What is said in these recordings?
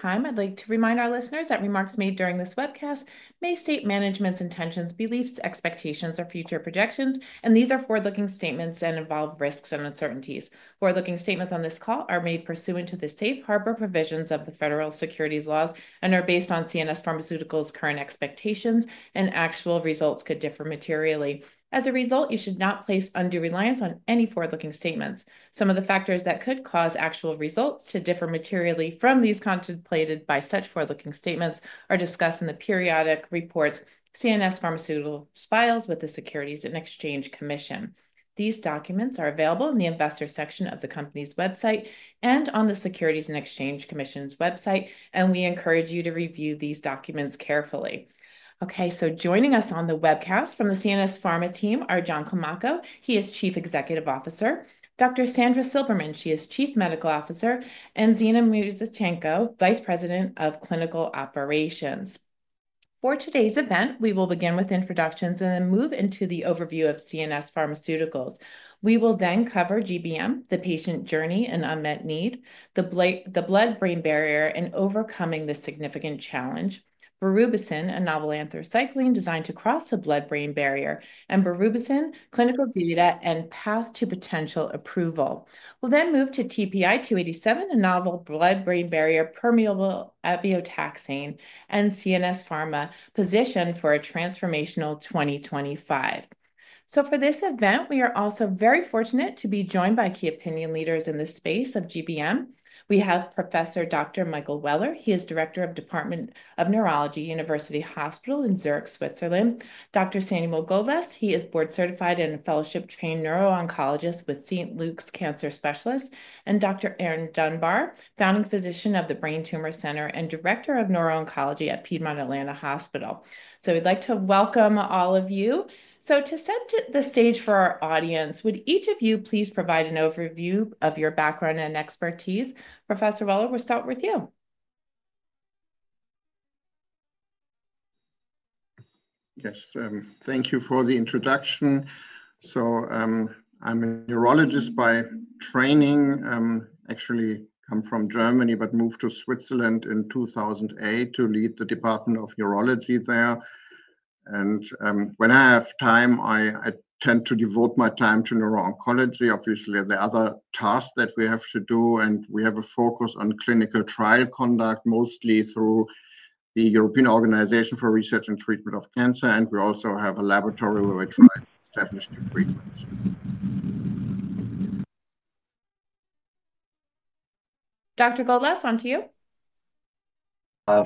time, I'd like to remind our listeners that remarks made during this webcast may state management's intentions, beliefs, expectations, or future projections, and these are forward-looking statements that involve risks and uncertainties. Forward-looking statements on this call are made pursuant to the safe harbor provisions of the federal securities laws and are based on CNS Pharmaceuticals' current expectations, and actual results could differ materially. As a result, you should not place undue reliance on any forward-looking statements. Some of the factors that could cause actual results to differ materially from these contemplated by such forward-looking statements are discussed in the periodic reports, CNS Pharmaceuticals' files with the Securities and Exchange Commission. These documents are available in the investor section of the company's website and on the Securities and Exchange Commission's website, and we encourage you to review these documents carefully. Okay, so joining us on the webcast from the CNS Pharma team are John Climaco. He is Chief Executive Officer. Dr. Sandra Silberman, she is Chief Medical Officer, and Zena Muzyczenko, Vice President of Clinical Operations. For today's event, we will begin with introductions and then move into the overview of CNS Pharmaceuticals. We will then cover GBM, the Patient Journey and Unmet Need, the blood-brain barrier and overcoming the significant challenge, berubicin, a novel anthracycline designed to cross the blood-brain barrier, and berubicin, clinical data and path to potential approval. We'll then move to TPI 287, a novel blood-brain barrier permeable abeotaxane and CNS Pharma position for a transformational 2025. So for this event, we are also very fortunate to be joined by key opinion leaders in the space of GBM. We have Professor Dr. Michael Weller. He is Director of Department of Neurology, University Hospital Zurich, Switzerland. Dr. Samuel Goldlust, he is board-certified and fellowship-trained neuro-oncologist with St. Luke's Cancer Institute, and Dr. Erin Dunbar, founding physician of the Brain Tumor Center and Director of Neuro-Oncology at Piedmont Atlanta Hospital. So we'd like to welcome all of you. So to set the stage for our audience, would each of you please provide an overview of your background and expertise? Professor Weller, we'll start with you. Yes, thank you for the introduction. So I'm a neurologist by training. Actually, I come from Germany, but moved to Switzerland in 2008 to lead the Department of Neurology there. And when I have time, I tend to devote my time to neuro-oncology. Obviously, there are other tasks that we have to do, and we have a focus on clinical trial conduct, mostly through the European Organization for Research and Treatment of Cancer. And we also have a laboratory where we try to establish new treatments. Dr. Goldlust, on to you.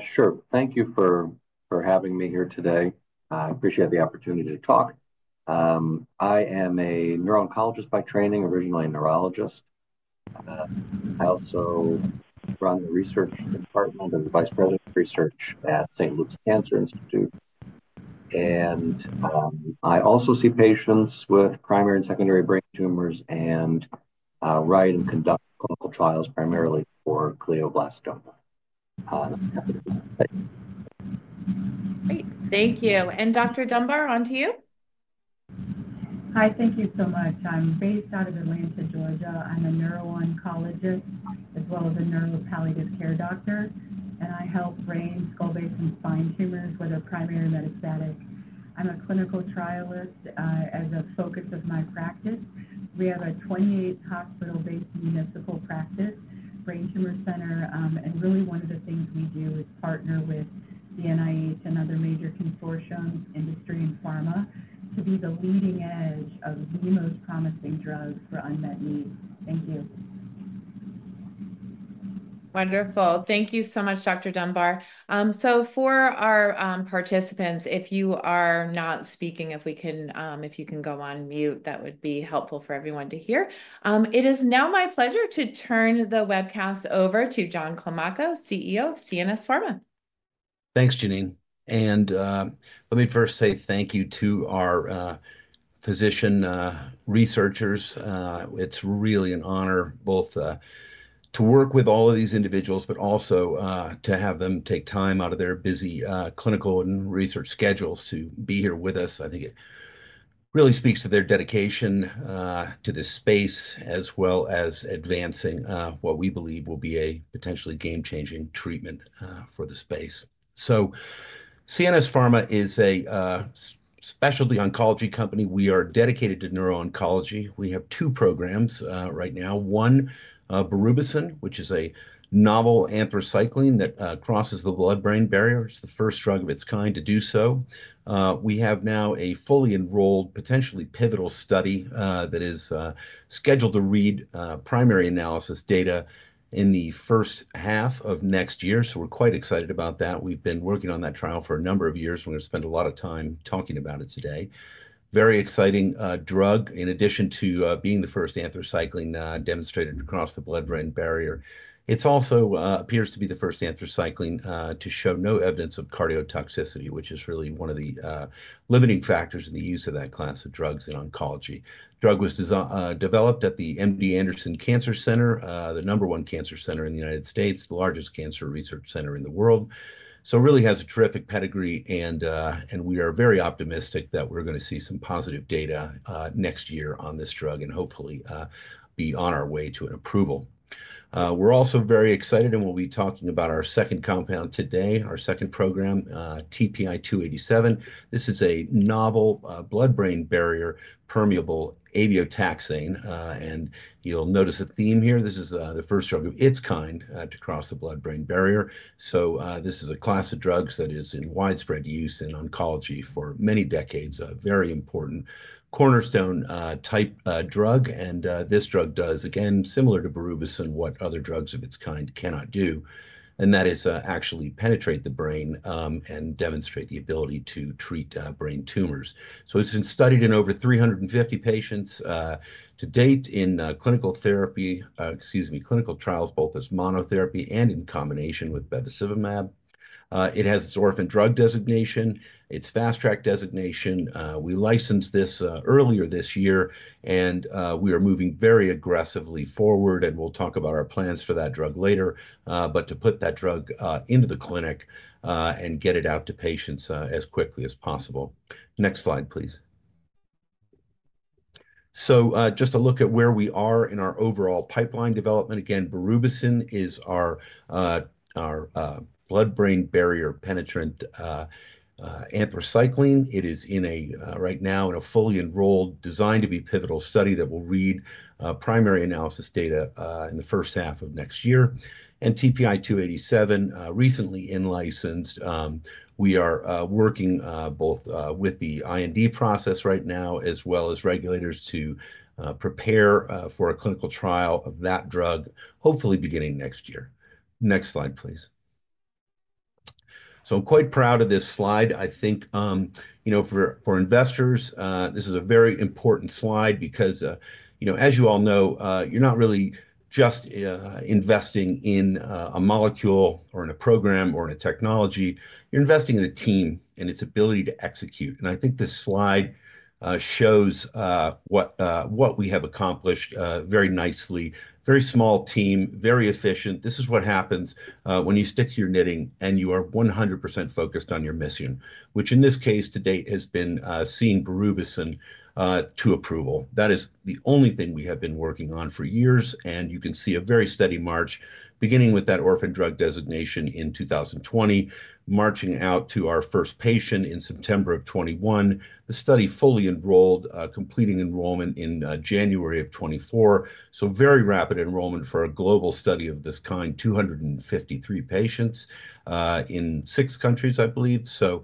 Sure. Thank you for having me here today. I appreciate the opportunity to talk. I am a neuro-oncologist by training, originally a neurologist. I also run the research department and the Vice President of Research at St. Luke's Cancer Institute, and I also see patients with primary and secondary brain tumors and write and conduct clinical trials primarily for glioblastoma. Great. Thank you. And Dr. Dunbar, on to you. Hi, thank you so much. I'm based out of Atlanta, Georgia. I'm a neuro-oncologist as well as a neuro-palliative care doctor, and I help brain, skull-base, and spine tumors with a primary metastatic. I'm a clinical trialist as a focus of my practice. We have a 28-hospital-based municipal practice, Brain Tumor Center, and really one of the things we do is partner with the NIH and other major consortiums, industry, and pharma to be the leading edge of the most promising drugs for unmet needs. Thank you. Wonderful. Thank you so much, Dr. Dunbar. For our participants, if you are not speaking, if we can, if you can go on mute, that would be helpful for everyone to hear. It is now my pleasure to turn the webcast over to John Climaco, CEO of CNS Pharma. Thanks, Jenene, and let me first say thank you to our physician researchers. It's really an honor both to work with all of these individuals, but also to have them take time out of their busy clinical and research schedules to be here with us. I think it really speaks to their dedication to this space as well as advancing what we believe will be a potentially game-changing treatment for the space, so CNS Pharma is a specialty oncology company. We are dedicated to neuro-oncology. We have two programs right now. One, berubicin, which is a novel anthracycline that crosses the blood-brain barrier. It's the first drug of its kind to do so. We have now a fully enrolled, potentially pivotal study that is scheduled to read primary analysis data in the first half of next year, so we're quite excited about that. We've been working on that trial for a number of years. We're going to spend a lot of time talking about it today. Very exciting drug in addition to being the first anthracycline demonstrated to cross the blood-brain barrier. It also appears to be the first anthracycline to show no evidence of cardiotoxicity, which is really one of the limiting factors in the use of that class of drugs in oncology. The drug was developed at the MD Anderson Cancer Center, the number one cancer center in the United States, the largest cancer research center in the world. So it really has a terrific pedigree, and we are very optimistic that we're going to see some positive data next year on this drug and hopefully be on our way to an approval. We're also very excited, and we'll be talking about our second compound today, our second program, TPI 287. This is a novel blood-brain barrier permeable abeotaxane, and you'll notice a theme here. This is the first drug of its kind to cross the blood-brain barrier. So this is a class of drugs that is in widespread use in oncology for many decades, a very important cornerstone type drug. And this drug does, again, similar to berubicin, what other drugs of its kind cannot do, and that is actually penetrate the brain and demonstrate the ability to treat brain tumors. So it's been studied in over 350 patients to date in clinical therapy, excuse me, clinical trials, both as monotherapy and in combination with bevacizumab. It has its Orphan Drug Designation, its Fast Track Designation. We licensed this earlier this year, and we are moving very aggressively forward, and we'll talk about our plans for that drug later, but to put that drug into the clinic and get it out to patients as quickly as possible. Next slide, please. So just a look at where we are in our overall pipeline development. Again, berubicin is our blood-brain barrier penetrant anthracycline. It is, right now, in a fully enrolled, designed to be pivotal study that will read primary analysis data in the first half of next year. And TPI 287, recently in-licensed. We are working both with the IND process right now as well as regulators to prepare for a clinical trial of that drug, hopefully beginning next year. Next slide, please. So I'm quite proud of this slide. I think, you know, for investors, this is a very important slide because, you know, as you all know, you're not really just investing in a molecule or in a program or in a technology. You're investing in a team and its ability to execute. And I think this slide shows what we have accomplished very nicely. Very small team, very efficient. This is what happens when you stick to your knitting and you are 100% focused on your mission, which in this case to date has been seeing berubicin to approval. That is the only thing we have been working on for years, and you can see a very steady march beginning with that Orphan Drug Designation in 2020, marching out to our first patient in September of 2021. The study fully enrolled, completing enrollment in January of 2024. So very rapid enrollment for a global study of this kind, 253 patients in six countries, I believe. So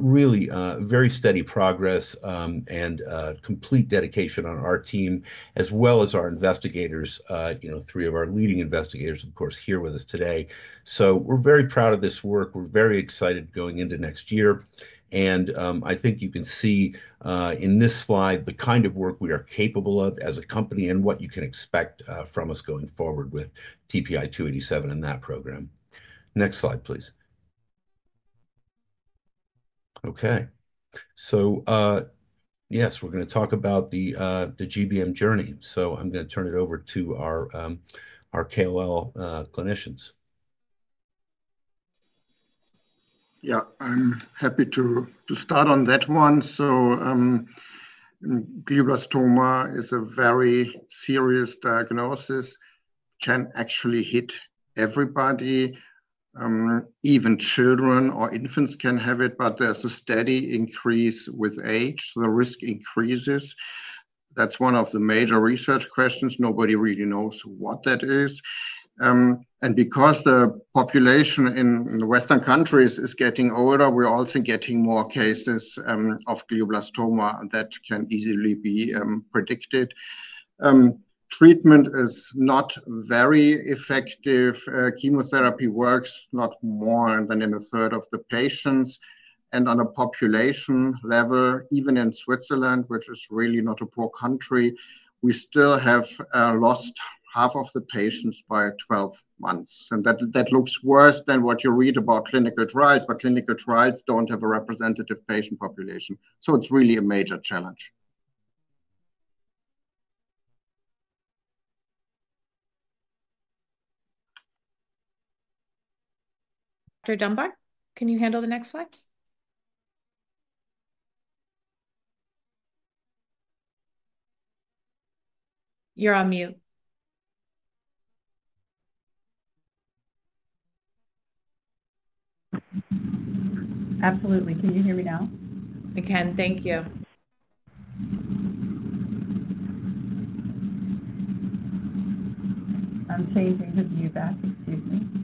really very steady progress and complete dedication on our team as well as our investigators, you know, three of our leading investigators, of course, here with us today. So we're very proud of this work. We're very excited going into next year. And I think you can see in this slide the kind of work we are capable of as a company and what you can expect from us going forward with TPI 287 and that program. Next slide, please. Okay. So yes, we're going to talk about the GBM journey. So I'm going to turn it over to our KOL clinicians. Yeah, I'm happy to start on that one. So glioblastoma is a very serious diagnosis. It can actually hit everybody. Even children or infants can have it, but there's a steady increase with age. The risk increases. That's one of the major research questions. Nobody really knows what that is. And because the population in the Western countries is getting older, we're also getting more cases of glioblastoma that can easily be predicted. Treatment is not very effective. Chemotherapy works not more than in a third of the patients. And on a population level, even in Switzerland, which is really not a poor country, we still have lost half of the patients by 12 months. And that looks worse than what you read about clinical trials, but clinical trials don't have a representative patient population. So it's really a major challenge. Dr. Dunbar, can you handle the next slide? You're on mute. Absolutely. Can you hear me now? I can. Thank you. I'm changing the view back. Excuse me.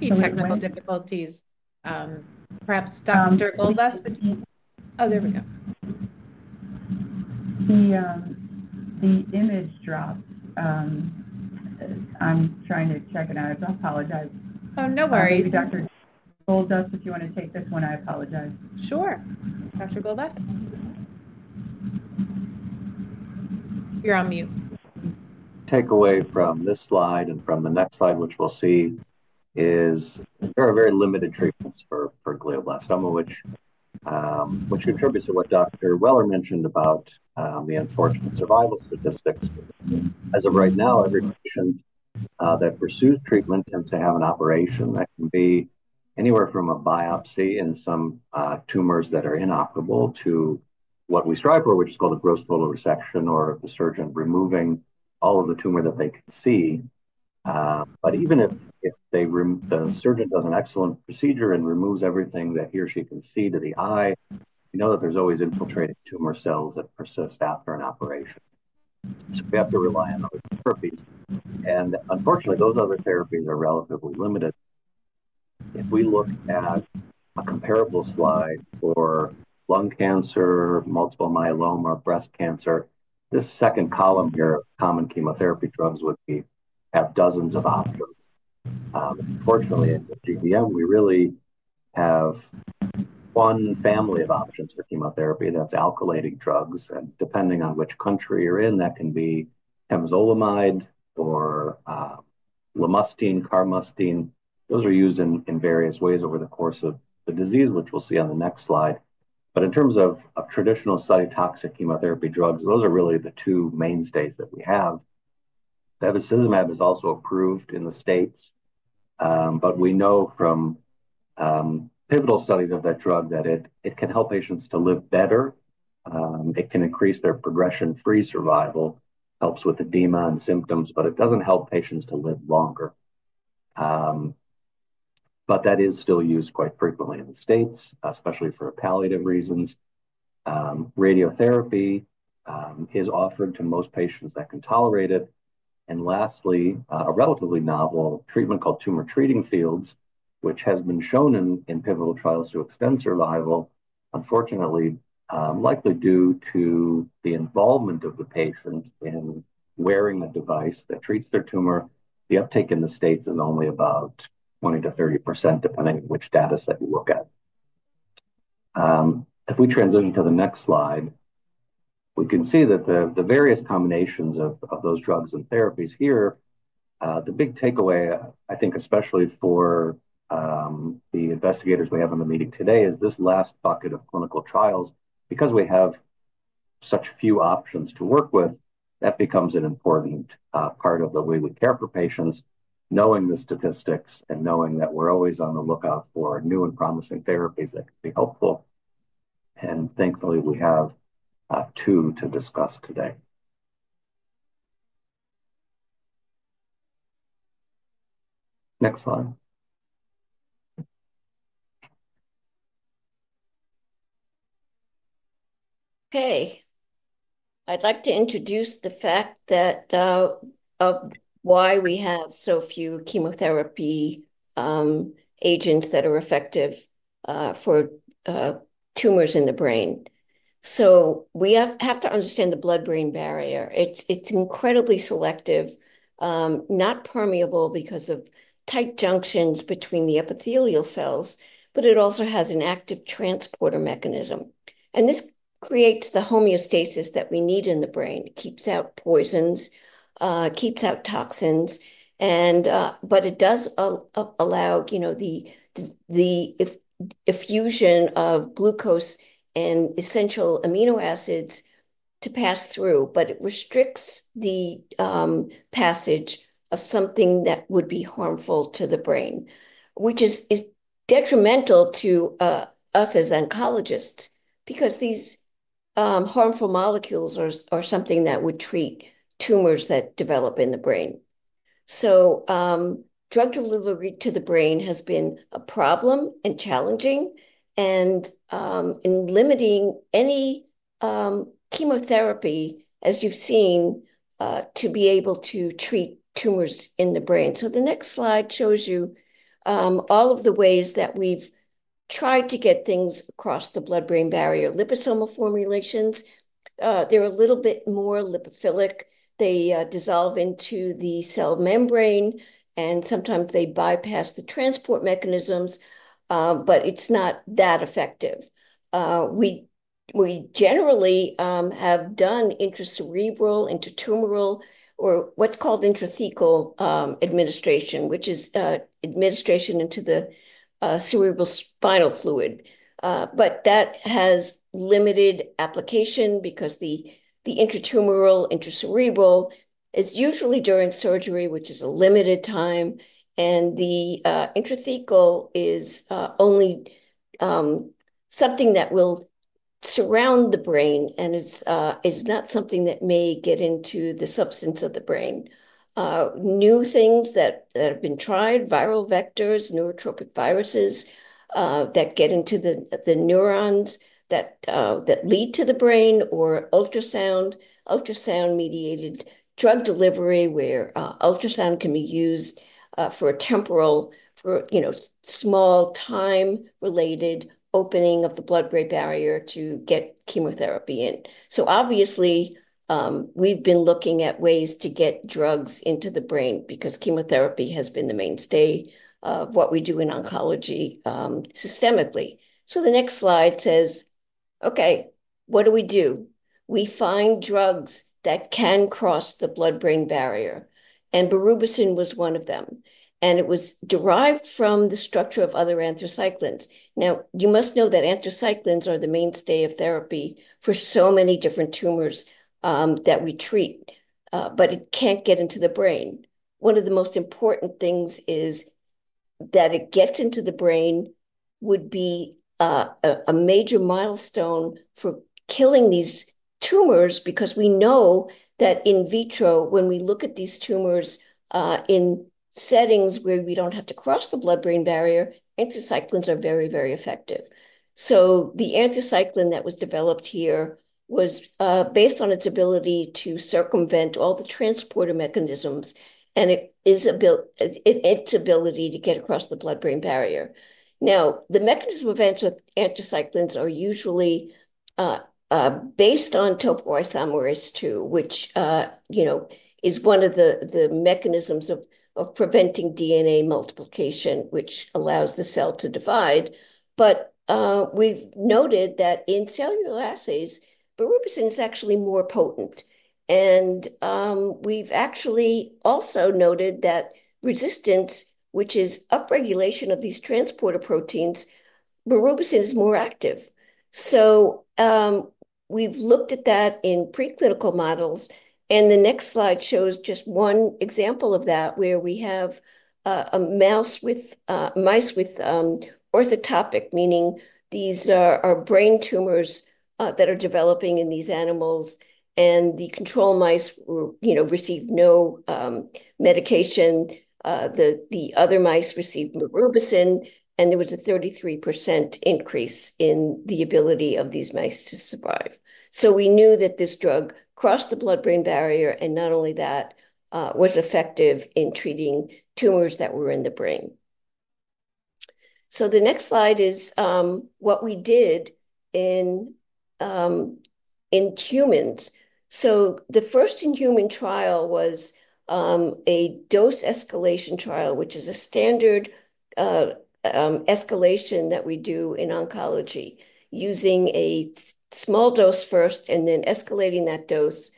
There might be technical difficulties. Perhaps Dr. Goldlust. Oh, there we go. The image dropped. I'm trying to check it out. I apologize. Oh, no worries. Dr. Goldlust, if you want to take this one, I apologize. Sure. Dr. Goldlust. You're on mute. Take away from this slide and from the next slide, which we'll see, is there are very limited treatments for glioblastoma, which contributes to what Dr. Weller mentioned about the unfortunate survival statistics. As of right now, every patient that pursues treatment tends to have an operation that can be anywhere from a biopsy and some tumors that are inoperable to what we strive for, which is called a gross total resection or the surgeon removing all of the tumor that they can see. But even if the surgeon does an excellent procedure and removes everything that he or she can see to the eye, we know that there's always infiltrating tumor cells that persist after an operation. So we have to rely on other therapies. And unfortunately, those other therapies are relatively limited. If we look at a comparable slide for lung cancer, multiple myeloma, breast cancer, this second column here of common chemotherapy drugs would have dozens of options. Unfortunately, in GBM, we really have one family of options for chemotherapy that's alkylating drugs, and depending on which country you're in, that can be temozolomide or lomustine, carmustine. Those are used in various ways over the course of the disease, which we'll see on the next slide, but in terms of traditional cytotoxic chemotherapy drugs, those are really the two mainstays that we have. Bevacizumab is also approved in the States, but we know from pivotal studies of that drug that it can help patients to live better. It can increase their progression-free survival, helps with edema and symptoms, but it doesn't help patients to live longer, but that is still used quite frequently in the States, especially for palliative reasons. Radiotherapy is offered to most patients that can tolerate it, and lastly, a relatively novel treatment called Tumor Treating Fields, which has been shown in pivotal trials to extend survival, unfortunately, likely due to the involvement of the patient in wearing a device that treats their tumor, the uptake in the States is only about 20%-30%, depending on which data set you look at. If we transition to the next slide, we can see that the various combinations of those drugs and therapies here, the big takeaway, I think, especially for the investigators we have in the meeting today, is this last bucket of clinical trials. Because we have such few options to work with, that becomes an important part of the way we care for patients, knowing the statistics and knowing that we're always on the lookout for new and promising therapies that can be helpful. Thankfully, we have two to discuss today. Next slide. Okay. I'd like to introduce the fact of why we have so few chemotherapy agents that are effective for tumors in the brain. So we have to understand the blood-brain barrier. It's incredibly selective, not permeable because of tight junctions between the epithelial cells, but it also has an active transporter mechanism. And this creates the homeostasis that we need in the brain. It keeps out poisons, keeps out toxins, but it does allow, you know, the diffusion of glucose and essential amino acids to pass through, but it restricts the passage of something that would be harmful to the brain, which is detrimental to us as oncologists because these harmful molecules are something that would treat tumors that develop in the brain. Drug delivery to the brain has been a problem and challenging and in limiting any chemotherapy, as you've seen, to be able to treat tumors in the brain. The next slide shows you all of the ways that we've tried to get things across the blood-brain barrier. Liposomal formulations, they're a little bit more lipophilic. They dissolve into the cell membrane, and sometimes they bypass the transport mechanisms, but it's not that effective. We generally have done intracerebral, intratumoral, or what's called intrathecal administration, which is administration into the cerebrospinal fluid. But that has limited application because the intratumoral, intracerebral is usually during surgery, which is a limited time, and the intrathecal is only something that will surround the brain and is not something that may get into the substance of the brain. New things that have been tried, viral vectors, neurotrophic viruses that get into the neurons that lead to the brain or ultrasound, ultrasound-mediated drug delivery where ultrasound can be used for a temporary, you know, small time-related opening of the blood-brain barrier to get chemotherapy in. So obviously, we've been looking at ways to get drugs into the brain because chemotherapy has been the mainstay of what we do in oncology systemically. So the next slide says, okay, what do we do? We find drugs that can cross the blood-brain barrier, and berubicin was one of them. And it was derived from the structure of other anthracyclines. Now, you must know that anthracyclines are the mainstay of therapy for so many different tumors that we treat, but it can't get into the brain. One of the most important things is that it gets into the brain would be a major milestone for killing these tumors because we know that in vitro, when we look at these tumors in settings where we don't have to cross the blood-brain barrier, anthracyclines are very, very effective. So the anthracycline that was developed here was based on its ability to circumvent all the transporter mechanisms and its ability to get across the blood-brain barrier. Now, the mechanism of anthracyclines are usually based on topoisomerase II, which, you know, is one of the mechanisms of preventing DNA multiplication, which allows the cell to divide. But we've noted that in cellular assays, berubicin is actually more potent. And we've actually also noted that resistance, which is upregulation of these transporter proteins, berubicin is more active. So we've looked at that in preclinical models. The next slide shows just one example of that where we have a mouse with orthotopic, meaning these are brain tumors that are developing in these animals. The control mice, you know, received no medication. The other mice received berubicin, and there was a 33% increase in the ability of these mice to survive. We knew that this drug crossed the blood-brain barrier and not only that, was effective in treating tumors that were in the brain. The next slide is what we did in humans. The first in-human trial was a dose escalation trial, which is a standard escalation that we do in oncology using a small dose first and then escalating that dose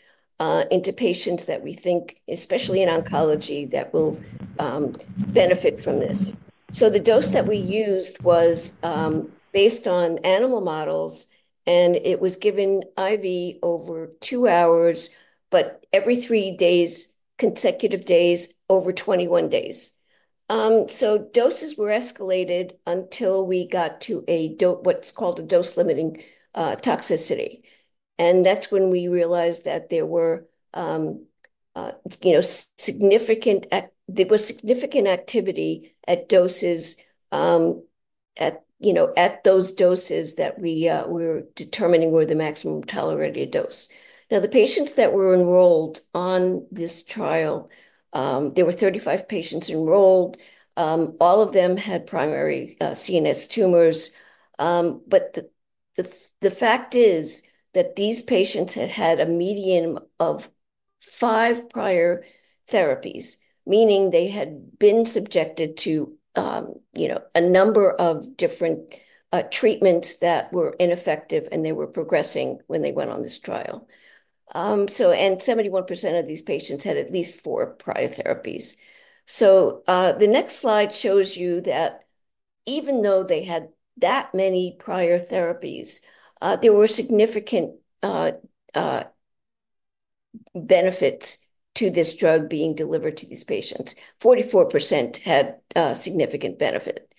into patients that we think, especially in oncology, that will benefit from this. So the dose that we used was based on animal models, and it was given IV over two hours, but every three days, consecutive days over 21 days. So doses were escalated until we got to what's called a dose-limiting toxicity. And that's when we realized that there were, you know, significant activity at doses, you know, at those doses that we were determining were the maximum tolerated dose. Now, the patients that were enrolled on this trial, there were 35 patients enrolled. All of them had primary CNS tumors. But the fact is that these patients had had a median of five prior therapies, meaning they had been subjected to, you know, a number of different treatments that were ineffective and they were progressing when they went on this trial. And 71% of these patients had at least four prior therapies. So the next slide shows you that even though they had that many prior therapies, there were significant benefits to this drug being delivered to these patients. 44% had significant benefit.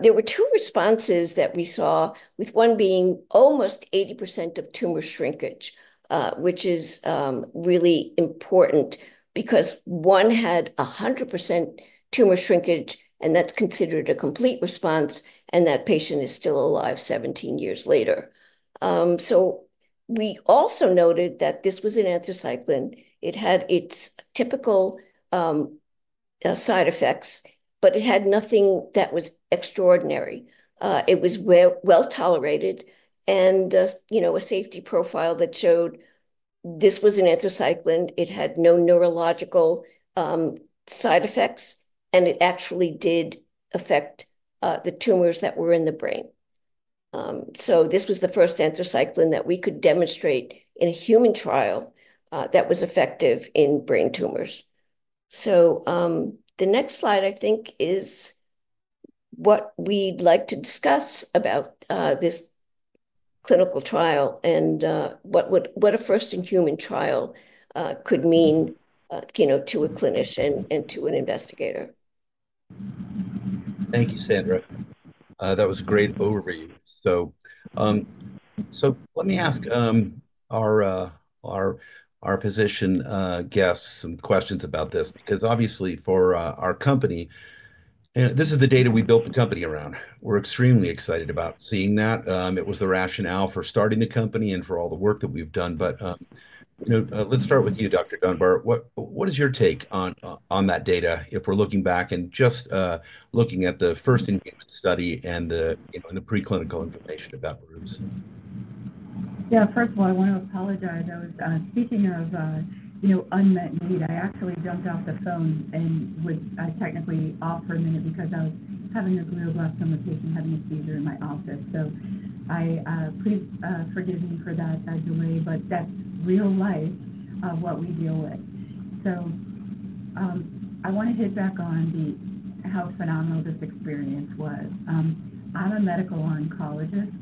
There were two responses that we saw, with one being almost 80% of tumor shrinkage, which is really important because one had 100% tumor shrinkage, and that's considered a complete response, and that patient is still alive 17 years later. So we also noted that this was an anthracycline. It had its typical side effects, but it had nothing that was extraordinary. It was well tolerated and, you know, a safety profile that showed this was an anthracycline. It had no neurological side effects, and it actually did affect the tumors that were in the brain. So this was the first anthracycline that we could demonstrate in a human trial that was effective in brain tumors. So the next slide, I think, is what we'd like to discuss about this clinical trial and what a first-in-human trial could mean, you know, to a clinician and to an investigator. Thank you, Sandra. That was a great overview. So let me ask our physician guests some questions about this because obviously for our company, this is the data we built the company around. We're extremely excited about seeing that. It was the rationale for starting the company and for all the work that we've done. But let's start with you, Dr. Dunbar. What is your take on that data if we're looking back and just looking at the first-in-human study and the preclinical information about berubicin? Yeah, first of all, I want to apologize. I was speaking of, you know, unmet need. I actually jumped off the phone and would technically offer a minute because I was having a glioblastoma patient having a seizure in my office, so please forgive me for that delay, but that's real life of what we deal with, so I want to hit back on how phenomenal this experience was. I'm a medical oncologist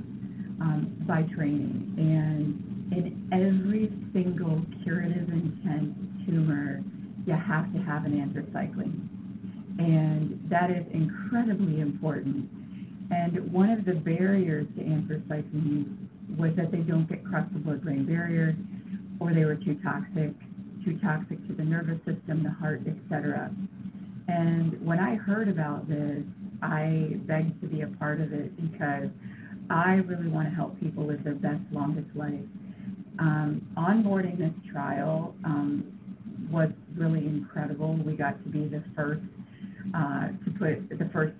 by training, and in every single curative-intent tumor, you have to have an anthracycline, and that is incredibly important, and one of the barriers to anthracycline was that they don't get across the blood-brain barrier or they were too toxic, too toxic to the nervous system, the heart, et cetera. When I heard about this, I begged to be a part of it because I really want to help people live their best, longest life. Onboarding this trial was really incredible. We got to be the first to put the first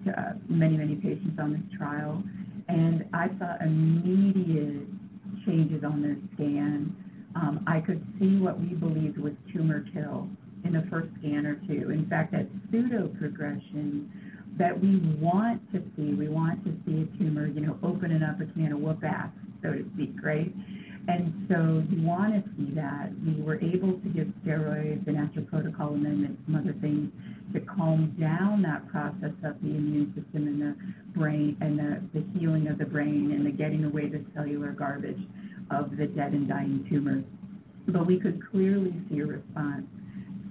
many, many patients on this trial. I saw immediate changes on this scan. I could see what we believed was tumor kill in the first scan or two. In fact, that pseudo-progression that we want to see, we want to see a tumor, you know, opening up a can of whoop-ass, so to speak, right? So you want to see that. We were able to give steroids and after protocol amendments and other things to calm down that process of the immune system and the brain and the healing of the brain and the getting away the cellular garbage of the dead and dying tumors. We could clearly see a response,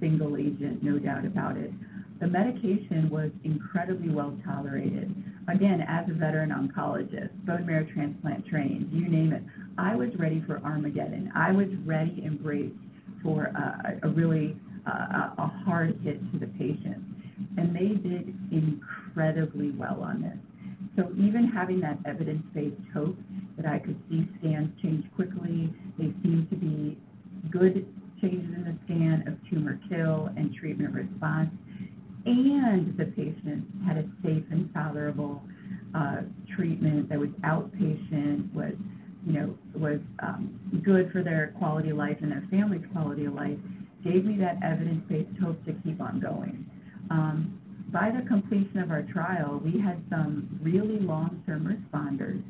single agent, no doubt about it. The medication was incredibly well tolerated. Again, as a veteran oncologist, bone marrow transplant trained, you name it, I was ready for Armageddon. I was ready, braced for a really hard hit to the patient. They did incredibly well on this. Even having that evidence-based hope that I could see scans change quickly, they seem to be good changes in the signs of tumor kill and treatment response. The patient had a safe and tolerable treatment that was outpatient, was, you know, was good for their quality of life and their family's quality of life, gave me that evidence-based hope to keep on going. By the completion of our trial, we had some really long-term responders.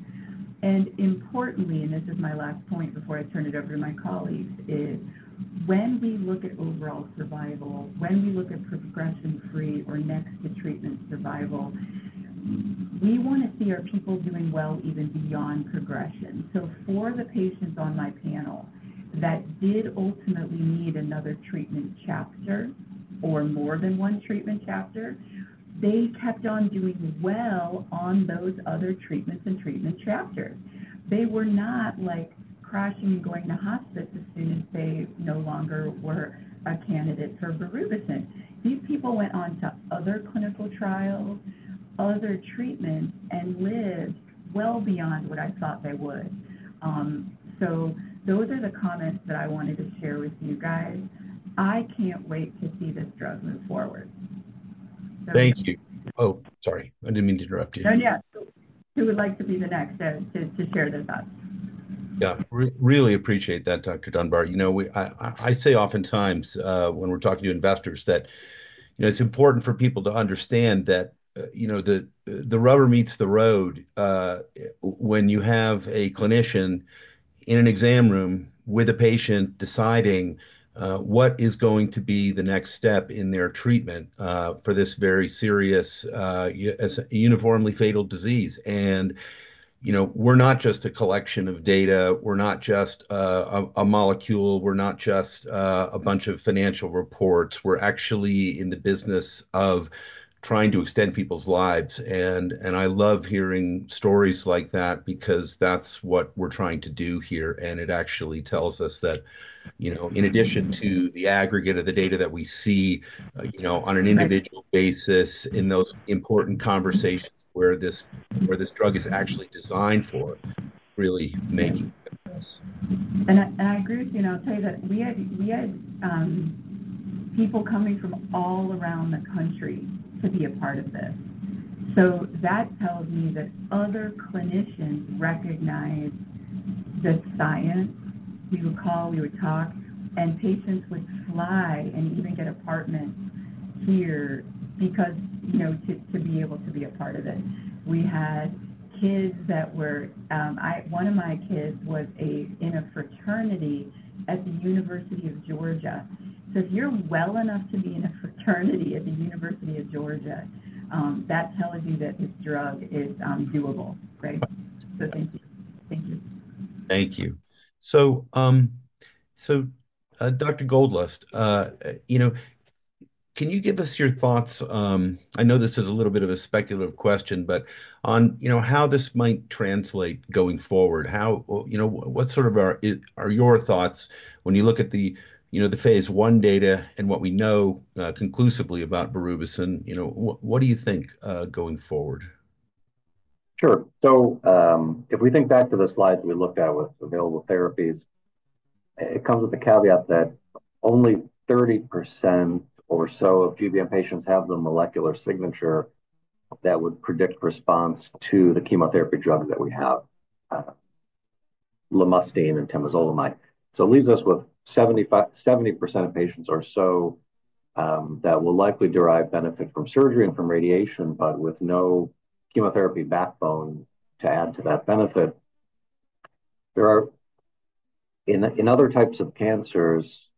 And importantly, and this is my last point before I turn it over to my colleagues, is when we look at overall survival, when we look at progression-free or next-to-treatment survival, we want to see our people doing well even beyond progression. So for the patients on my panel that did ultimately need another treatment chapter or more than one treatment chapter, they kept on doing well on those other treatments and treatment chapters. They were not like crashing and going to hospice as soon as they no longer were a candidate for berubicin. These people went on to other clinical trials, other treatments, and lived well beyond what I thought they would. So those are the comments that I wanted to share with you guys. I can't wait to see this drug move forward. Thank you. Oh, sorry. I didn't mean to interrupt you. No, yeah. Who would like to be the next to share their thoughts? Yeah. Really appreciate that, Dr. Dunbar. You know, I say oftentimes when we're talking to investors that, you know, it's important for people to understand that, you know, the rubber meets the road when you have a clinician in an exam room with a patient deciding what is going to be the next step in their treatment for this very serious uniformly fatal disease. And, you know, we're not just a collection of data. We're not just a molecule. We're not just a bunch of financial reports. We're actually in the business of trying to extend people's lives. And I love hearing stories like that because that's what we're trying to do here. It actually tells us that, you know, in addition to the aggregate of the data that we see, you know, on an individual basis in those important conversations where this drug is actually designed for, really making a difference. I agree with you. I'll tell you that we had people coming from all around the country to be a part of this. That tells me that other clinicians recognized the science. We would call, we would talk, and patients would fly and even get apartments here because, you know, to be able to be a part of it. We had kids that were, one of my kids was in a fraternity at the University of Georgia. If you're well enough to be in a fraternity at the University of Georgia, that tells you that this drug is doable, right? Thank you. Thank you. Thank you. So Dr. Goldlust, you know, can you give us your thoughts? I know this is a little bit of a speculative question, but on, you know, how this might translate going forward, how, you know, what sort of are your thoughts when you look at the, you know, the phase I data and what we know conclusively about berubicin, you know, what do you think going forward? Sure. So if we think back to the slides we looked at with available therapies, it comes with the caveat that only 30% or so of GBM patients have the molecular signature that would predict response to the chemotherapy drugs that we have, lomustine and temozolomide. So it leaves us with 70% of patients or so that will likely derive benefit from surgery and from radiation, but with no chemotherapy backbone to add to that benefit. There are, in other types of cancers,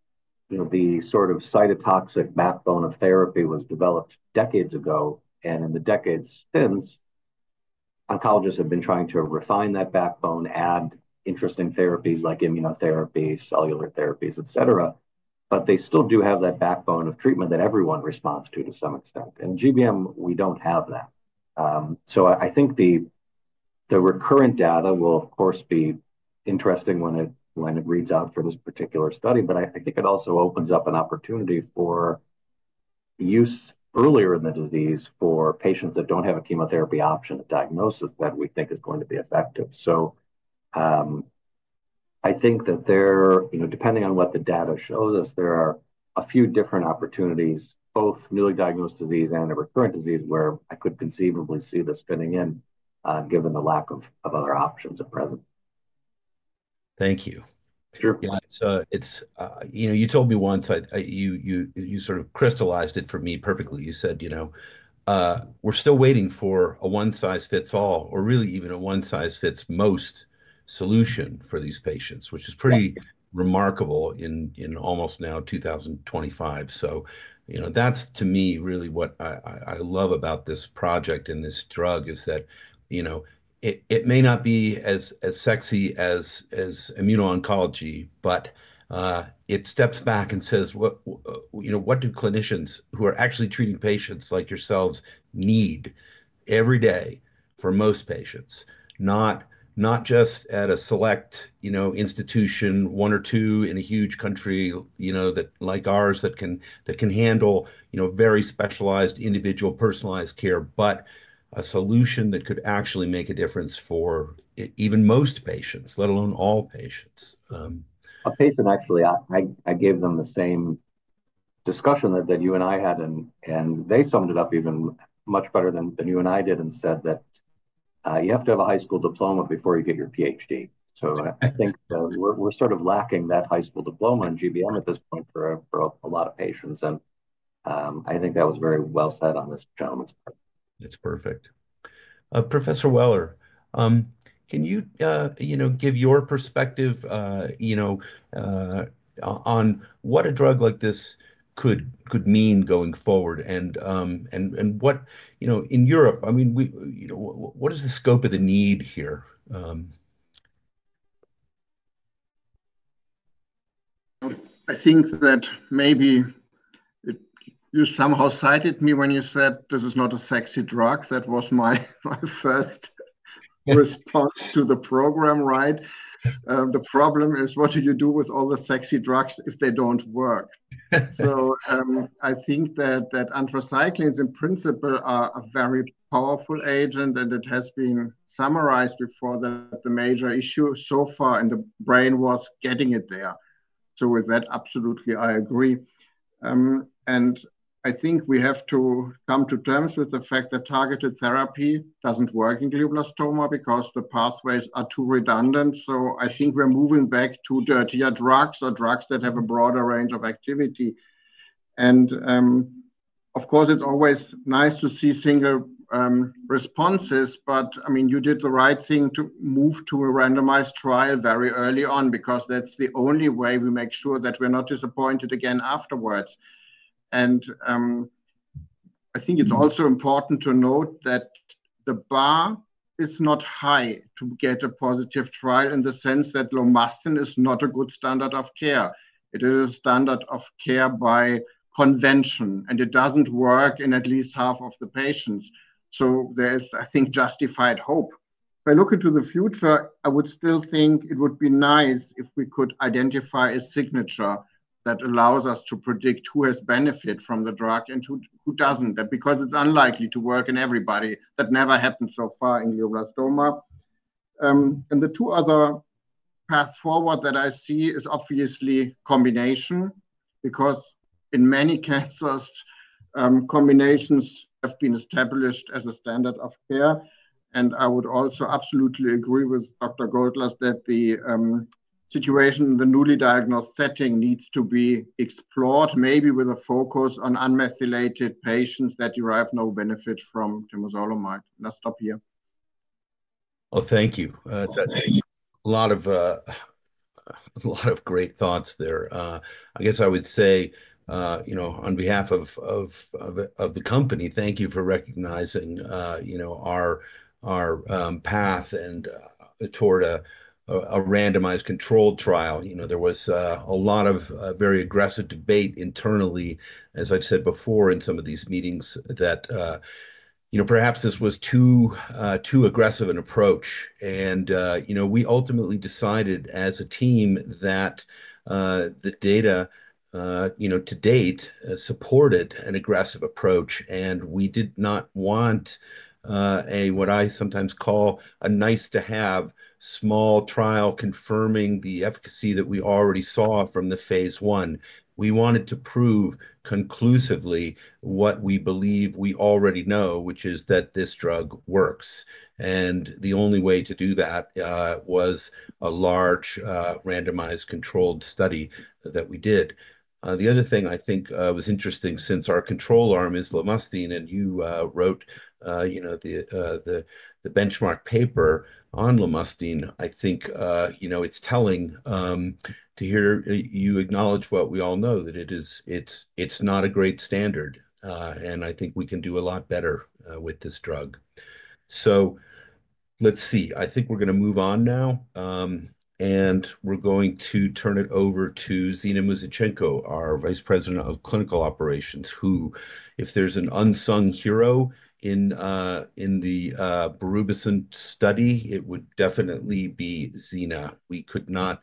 you know, the sort of cytotoxic backbone of therapy was developed decades ago. And in the decades since, oncologists have been trying to refine that backbone, add interesting therapies like immunotherapies, cellular therapies, et cetera. But they still do have that backbone of treatment that everyone responds to to some extent. And GBM, we don't have that. So, I think the recurrent data will, of course, be interesting when it reads out for this particular study, but I think it also opens up an opportunity for use earlier in the disease for patients that don't have a chemotherapy option at diagnosis that we think is going to be effective. So, I think that there, you know, depending on what the data shows us, there are a few different opportunities, both newly diagnosed disease and a recurrent disease where I could conceivably see this fitting in given the lack of other options at present. Thank you. Sure. It's, you know, you told me once, you sort of crystallized it for me perfectly. You said, you know, we're still waiting for a one-size-fits-all or really even a one-size-fits-most solution for these patients, which is pretty remarkable in almost now 2025. So, you know, that's to me really what I love about this project and this drug is that, you know, it may not be as sexy as immuno-oncology, but it steps back and says, you know, what do clinicians who are actually treating patients like yourselves need every day for most patients, not just at a select, you know, institution, one or two in a huge country, you know, that like ours that can handle, you know, very specialized individual, personalized care, but a solution that could actually make a difference for even most patients, let alone all patients. A patient actually, I gave them the same discussion that you and I had, and they summed it up even much better than you and I did and said that you have to have a high school diploma before you get your PhD. So I think we're sort of lacking that high school diploma in GBM at this point for a lot of patients. And I think that was very well said on this gentleman's part. That's perfect. Professor Weller, can you, you know, give your perspective, you know, on what a drug like this could mean going forward and what, you know, in Europe, I mean, you know, what is the scope of the need here? I think that maybe you somehow cited me when you said this is not a sexy drug. That was my first response to the program, right? The problem is what do you do with all the sexy drugs if they don't work? So I think that anthracycline in principle are a very powerful agent and it has been summarized before that the major issue so far in the brain was getting it there. So with that, absolutely, I agree. And I think we have to come to terms with the fact that targeted therapy doesn't work in glioblastoma because the pathways are too redundant. So I think we're moving back to dirtier drugs or drugs that have a broader range of activity. Of course, it's always nice to see single responses, but I mean, you did the right thing to move to a randomized trial very early on because that's the only way we make sure that we're not disappointed again afterwards. I think it's also important to note that the bar is not high to get a positive trial in the sense that lomustine is not a good standard of care. It is a standard of care by convention, and it doesn't work in at least half of the patients. So there is, I think, justified hope. If I look into the future, I would still think it would be nice if we could identify a signature that allows us to predict who has benefit from the drug and who doesn't, because it's unlikely to work in everybody. That never happened so far in glioblastoma. The two other paths forward that I see is obviously combination, because in many cases, combinations have been established as a standard of care. I would also absolutely agree with Dr. Goldlust that the situation in the newly diagnosed setting needs to be explored, maybe with a focus on unmethylated patients that derive no benefit from temozolomide. I'll stop here. Thank you. A lot of great thoughts there. I guess I would say, you know, on behalf of the company, thank you for recognizing, you know, our path and toward a randomized controlled trial. You know, there was a lot of very aggressive debate internally, as I've said before in some of these meetings, that, you know, perhaps this was too aggressive an approach. You know, we ultimately decided as a team that the data, you know, to date supported an aggressive approach. We did not want a, what I sometimes call a nice-to-have, small trial confirming the efficacy that we already saw from the phase I. We wanted to prove conclusively what we believe we already know, which is that this drug works. The only way to do that was a large randomized controlled study that we did. The other thing I think was interesting since our control arm is lomustine and you wrote, you know, the benchmark paper on lomustine, I think, you know, it's telling to hear you acknowledge what we all know, that it's not a great standard. And I think we can do a lot better with this drug. So let's see. I think we're going to move on now. And we're going to turn it over to Zena Muzyczenko, our Vice President of Clinical Operations, who, if there's an unsung hero in the berubicin study, it would definitely be Zena. We could not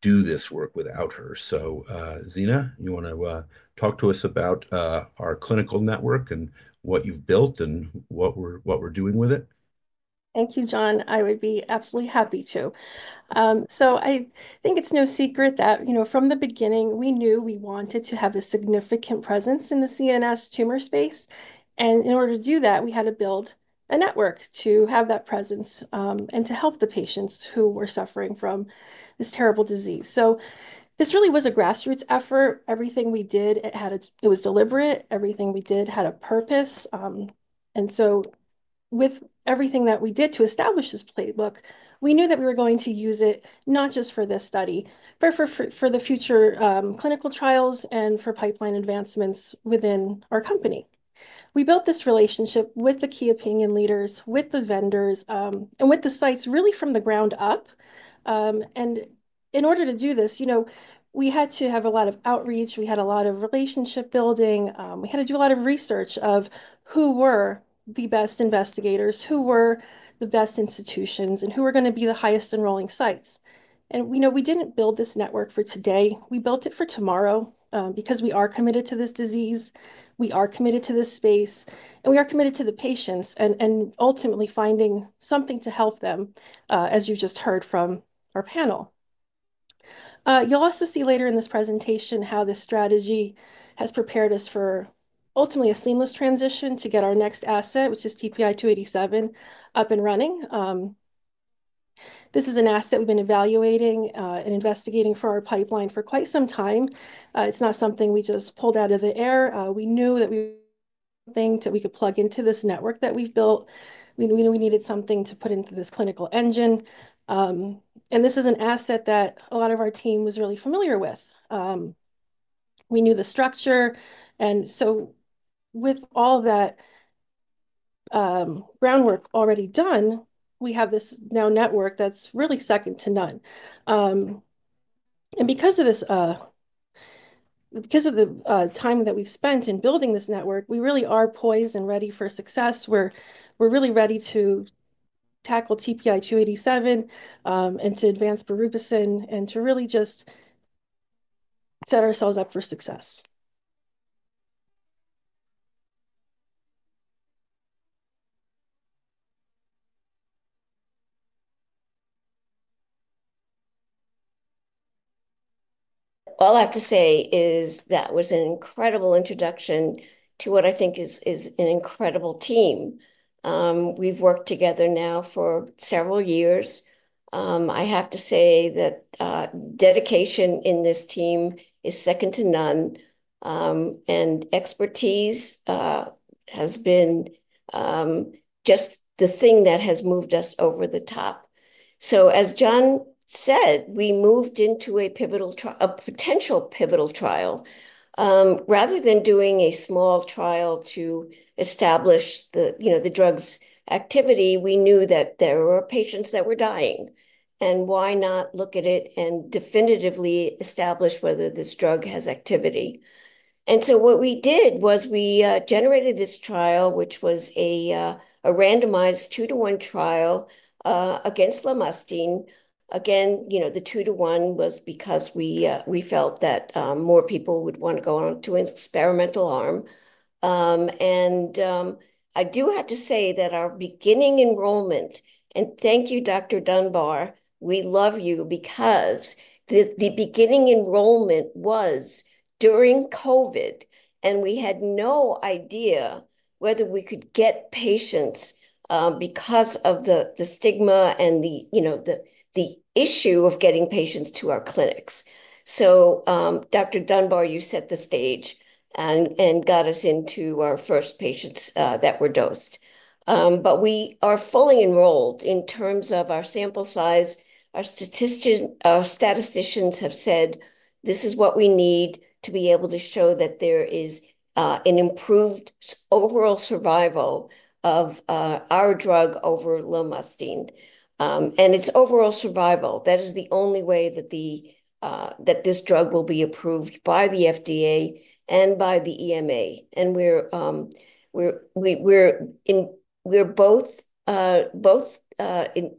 do this work without her. So Zena, you want to talk to us about our clinical network and what you've built and what we're doing with it? Thank you, John. I would be absolutely happy to. So I think it's no secret that, you know, from the beginning, we knew we wanted to have a significant presence in the CNS tumor space. And in order to do that, we had to build a network to have that presence and to help the patients who were suffering from this terrible disease. So this really was a grassroots effort. Everything we did, it was deliberate. Everything we did had a purpose. And so with everything that we did to establish this playbook, we knew that we were going to use it not just for this study, but for the future clinical trials and for pipeline advancements within our company. We built this relationship with the key opinion leaders, with the vendors, and with the sites really from the ground up. In order to do this, you know, we had to have a lot of outreach. We had a lot of relationship building. We had to do a lot of research of who were the best investigators, who were the best institutions, and who were going to be the highest enrolling sites. We know we didn't build this network for today. We built it for tomorrow because we are committed to this disease. We are committed to this space, and we are committed to the patients and ultimately finding something to help them, as you just heard from our panel. You'll also see later in this presentation how this strategy has prepared us for ultimately a seamless transition to get our next asset, which is TPI 287, up and running. This is an asset we've been evaluating and investigating for our pipeline for quite some time. It's not something we just pulled out of the air. We knew that we had something that we could plug into this network that we've built. We knew we needed something to put into this clinical engine, and this is an asset that a lot of our team was really familiar with. We knew the structure, and so with all of that groundwork already done, we have this now network that's really second to none, and because of this, because of the time that we've spent in building this network, we really are poised and ready for success. We're really ready to tackle TPI 287 and to advance berubicin and to really just set ourselves up for success. All I have to say is that was an incredible introduction to what I think is an incredible team. We've worked together now for several years. I have to say that dedication in this team is second to none, and expertise has been just the thing that has moved us over the top, so as John said, we moved into a potential pivotal trial. Rather than doing a small trial to establish the, you know, the drug's activity, we knew that there were patients that were dying, and why not look at it and definitively establish whether this drug has activity? And so what we did was we generated this trial, which was a randomized two-to-one trial against lomustine. Again, you know, the two-to-one was because we felt that more people would want to go on to an experimental arm. I do have to say that our beginning enrollment, and thank you, Dr. Dunbar, we love you because the beginning enrollment was during COVID, and we had no idea whether we could get patients because of the stigma and the, you know, the issue of getting patients to our clinics. Dr. Dunbar, you set the stage and got us into our first patients that were dosed. We are fully enrolled in terms of our sample size. Our statisticians have said, this is what we need to be able to show that there is an improved overall survival of our drug over lomustine. It's overall survival. That is the only way that this drug will be approved by the FDA and by the EMA. We're both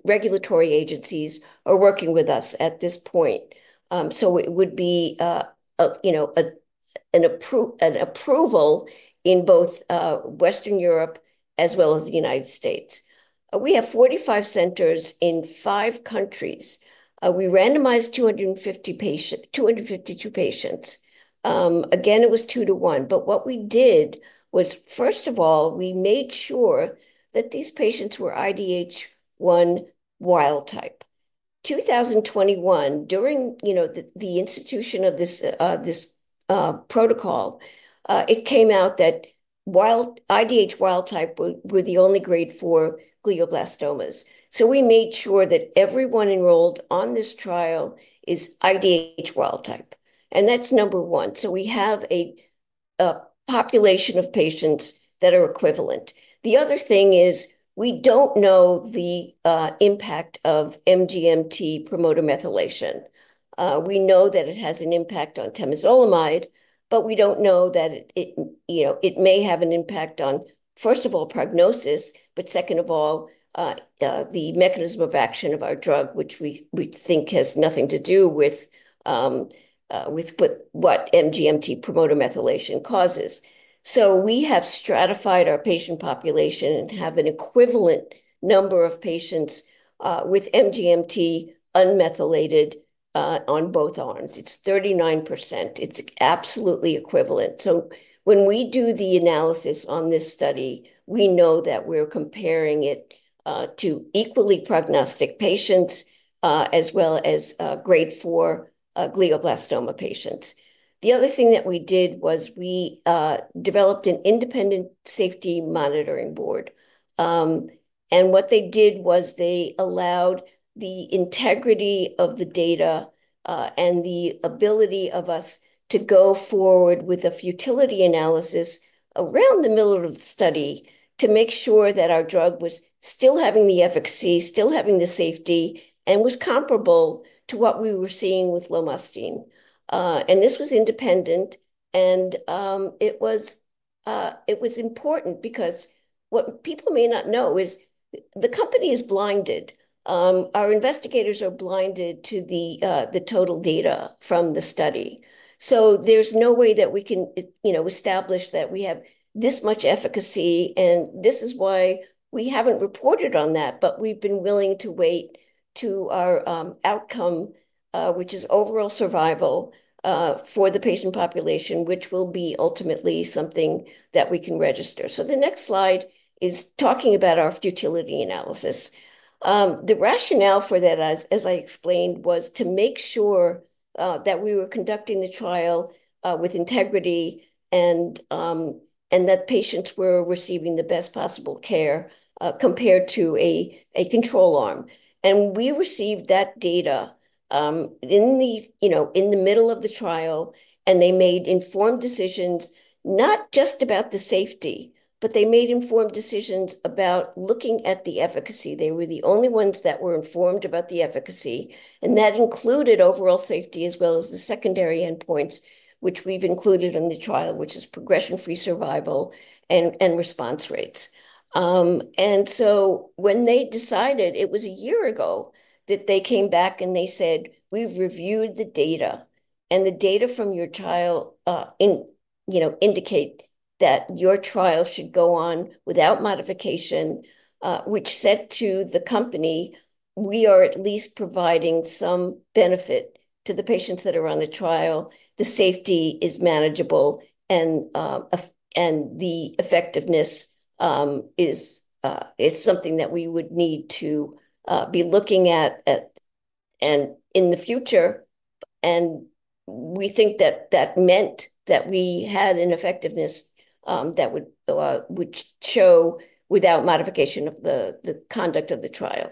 regulatory agencies are working with us at this point. So it would be, you know, an approval in both Western Europe as well as the United States. We have 45 centers in five countries. We randomized 252 patients. Again, it was two-to-one. But what we did was, first of all, we made sure that these patients were IDH1 wild-type. 2021, during, you know, the institution of this protocol, it came out that IDH-wild-type were the only grade four glioblastomas. So we made sure that everyone enrolled on this trial is IDH-wild-type. And that's number one. So we have a population of patients that are equivalent. The other thing is we don't know the impact of MGMT promoter methylation. We know that it has an impact on temozolomide, but we don't know that it, you know, it may have an impact on, first of all, prognosis, but second of all, the mechanism of action of our drug, which we think has nothing to do with what MGMT promoter methylation causes. So we have stratified our patient population and have an equivalent number of patients with MGMT unmethylated on both arms. It's 39%. It's absolutely equivalent. So when we do the analysis on this study, we know that we're comparing it to equally prognostic patients as well as grade four glioblastoma patients. The other thing that we did was we developed an independent safety monitoring board. And what they did was they allowed the integrity of the data and the ability of us to go forward with a futility analysis around the middle of the study to make sure that our drug was still having the efficacy, still having the safety, and was comparable to what we were seeing with lomustine. And this was independent. And it was important because what people may not know is the company is blinded. Our investigators are blinded to the total data from the study. So there's no way that we can, you know, establish that we have this much efficacy. And this is why we haven't reported on that, but we've been willing to wait to our outcome, which is overall survival for the patient population, which will be ultimately something that we can register. So the next slide is talking about our futility analysis. The rationale for that, as I explained, was to make sure that we were conducting the trial with integrity and that patients were receiving the best possible care compared to a control arm, and we received that data in the, you know, in the middle of the trial, and they made informed decisions not just about the safety, but they made informed decisions about looking at the efficacy. They were the only ones that were informed about the efficacy, and that included overall safety as well as the secondary endpoints, which we've included in the trial, which is progression-free survival and response rates, and so when they decided, it was a year ago that they came back and they said, we've reviewed the data. The data from your trial, you know, indicate that your trial should go on without modification, which said to the company, we are at least providing some benefit to the patients that are on the trial. The safety is manageable, and the effectiveness is something that we would need to be looking at in the future. We think that that meant that we had an effectiveness that would show without modification of the conduct of the trial.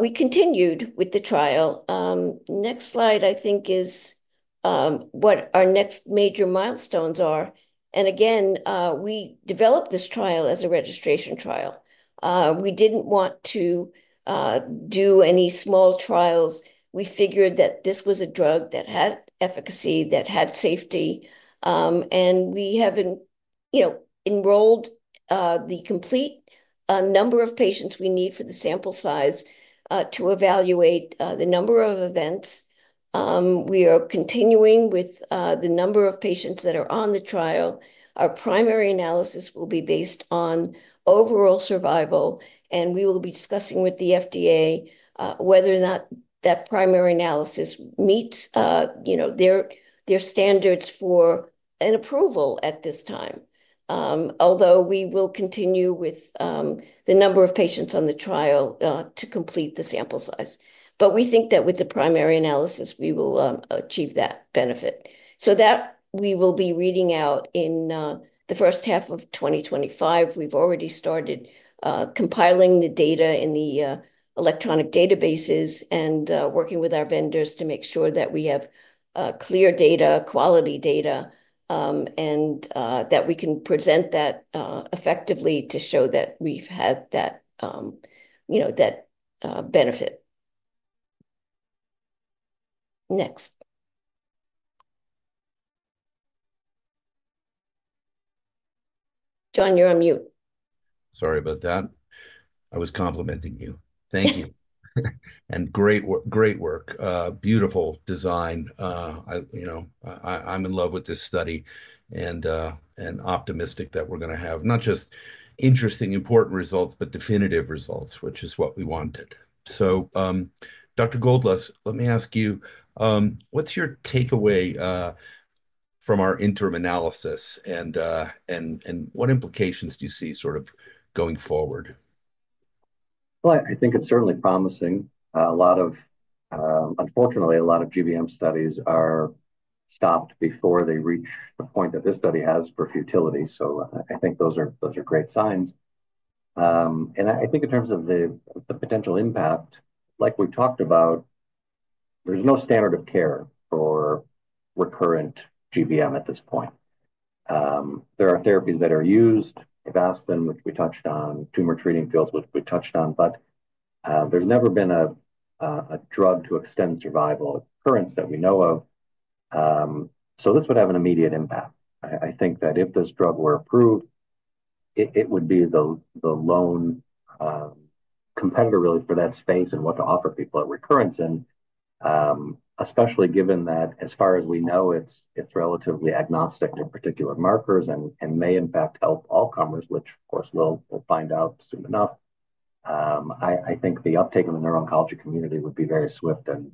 We continued with the trial. Next slide, I think, is what our next major milestones are. Again, we developed this trial as a registration trial. We didn't want to do any small trials. We figured that this was a drug that had efficacy, that had safety. We haven't, you know, enrolled the complete number of patients we need for the sample size to evaluate the number of events. We are continuing with the number of patients that are on the trial. Our primary analysis will be based on overall survival, and we will be discussing with the FDA whether or not that primary analysis meets, you know, their standards for an approval at this time. Although we will continue with the number of patients on the trial to complete the sample size, but we think that with the primary analysis, we will achieve that benefit, so that we will be reading out in the first half of 2025. We've already started compiling the data in the electronic databases and working with our vendors to make sure that we have clear data, quality data, and that we can present that effectively to show that we've had that, you know, that benefit. Next. John, you're on mute. Sorry about that. I was complimenting you. Thank you. And great work. Beautiful design. I, you know, I'm in love with this study and optimistic that we're going to have not just interesting, important results, but definitive results, which is what we wanted. So Dr. Goldlust, let me ask you, what's your takeaway from our interim analysis? And what implications do you see sort of going forward? I think it's certainly promising. Unfortunately, a lot of GBM studies are stopped before they reach the point that this study has for futility. I think those are great signs. I think in terms of the potential impact, like we've talked about, there's no standard of care for recurrent GBM at this point. There are therapies that are used, Avastin, which we touched on, Tumor Treating Fields, which we touched on, but there's never been a drug to extend survival in recurrence that we know of. This would have an immediate impact. I think that if this drug were approved, it would be the lone competitor really for that space and what to offer people at recurrence in, especially given that as far as we know, it's relatively agnostic to particular markers and may in fact help all comers, which of course we'll find out soon enough. I think the uptake in the neuro-oncology community would be very swift and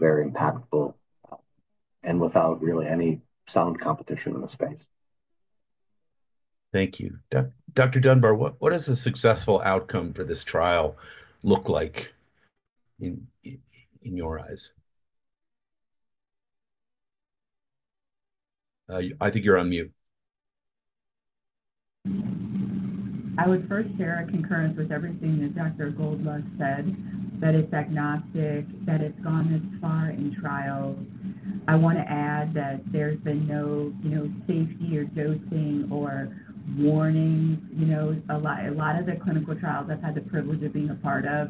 very impactful and without really any sound competition in the space. Thank you. Dr. Dunbar, what does a successful outcome for this trial look like in your eyes? I think you're on mute. I would first share a concurrence with everything that Dr. Goldlust said, that it's agnostic, that it's gone this far in trials. I want to add that there's been no, you know, safety or dosing or warnings. You know, a lot of the clinical trials I've had the privilege of being a part of,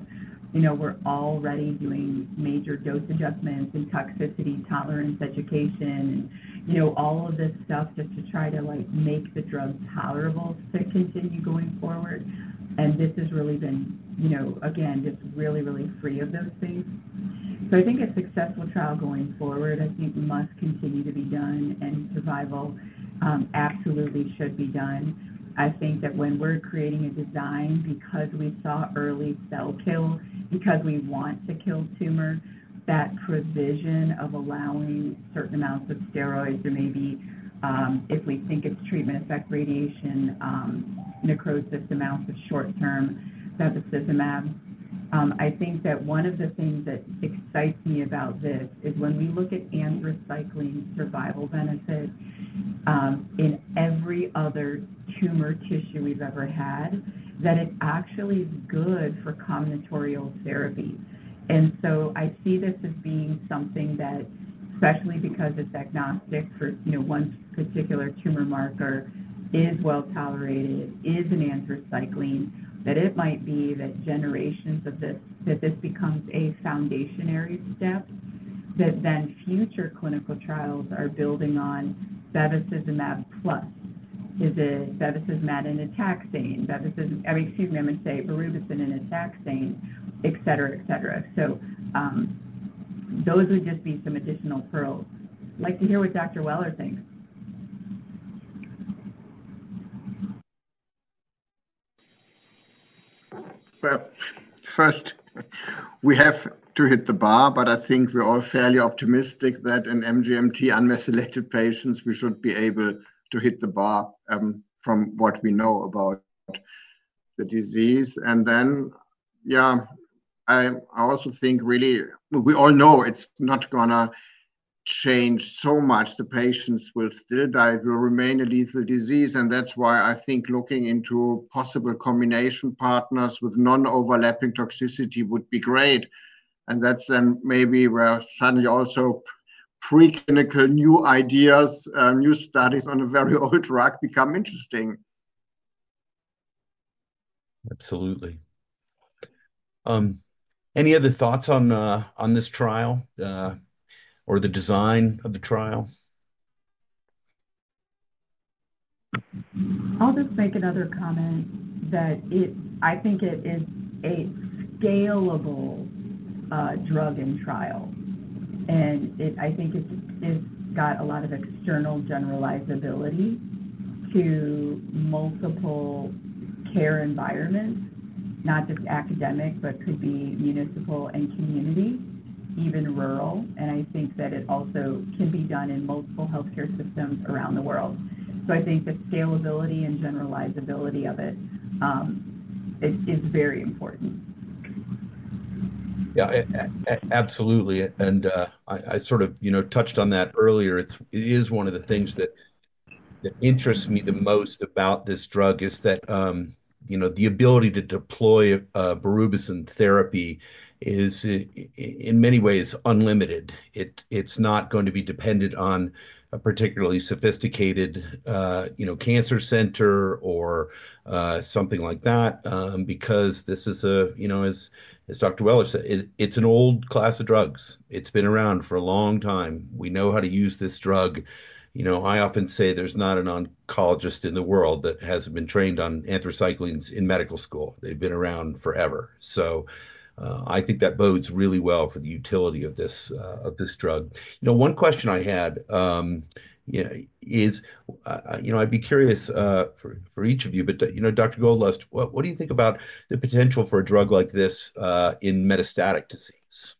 you know, we're already doing major dose adjustments and toxicity tolerance education and, you know, all of this stuff just to try to like make the drug tolerable to continue going forward, and this has really been, you know, again, just really, really free of those things, so I think a successful trial going forward, I think must continue to be done and survival absolutely should be done. I think that when we're creating a design because we saw early cell kill, because we want to kill tumor, that provision of allowing certain amounts of steroids or maybe if we think it's treatment effect, radiation necrosis, amounts of short-term bevacizumab. I think that one of the things that excites me about this is when we look at anthracycline survival benefit in every other tumor tissue we've ever had, that it actually is good for combinatorial therapy. And so I see this as being something that, especially because it's agnostic for, you know, one particular tumor marker, is well tolerated, is an anthracycline, that it might be that generations of this, that this becomes a foundational step that then future clinical trials are building on bevacizumab plus, or a bevacizumab and a taxane, bevacizumab, excuse me, I'm going to say, berubicin and a taxane, et cetera, et cetera. So those would just be some additional pearls. I'd like to hear what Dr. Weller thinks. First, we have to hit the bar, but I think we're all fairly optimistic that in MGMT unmethylated patients, we should be able to hit the bar from what we know about the disease. And then, yeah, I also think really, we all know it's not going to change so much. The patients will still die. It will remain a lethal disease. And that's why I think looking into possible combination partners with non-overlapping toxicity would be great. And that's then maybe where suddenly also preclinical new ideas, new studies on a very old drug become interesting. Absolutely. Any other thoughts on this trial or the design of the trial? I'll just make another comment that I think it is a scalable drug in trial. And I think it's got a lot of external generalizability to multiple care environments, not just academic, but could be municipal and community, even rural. And I think that it also can be done in multiple healthcare systems around the world. So I think the scalability and generalizability of it is very important. Yeah, absolutely. And I sort of, you know, touched on that earlier. It is one of the things that interests me the most about this drug is that, you know, the ability to deploy berubicin therapy is in many ways unlimited. It's not going to be dependent on a particularly sophisticated, you know, cancer center or something like that because this is a, you know, as Dr. Weller said, it's an old class of drugs. It's been around for a long time. We know how to use this drug. You know, I often say there's not an oncologist in the world that hasn't been trained on anthracyclines in medical school. They've been around forever. So I think that bodes really well for the utility of this drug. You know, one question I had, you know, is, you know, I'd be curious for each of you, but, you know, Dr. Goldlust, what do you think about the potential for a drug like this in metastatic disease?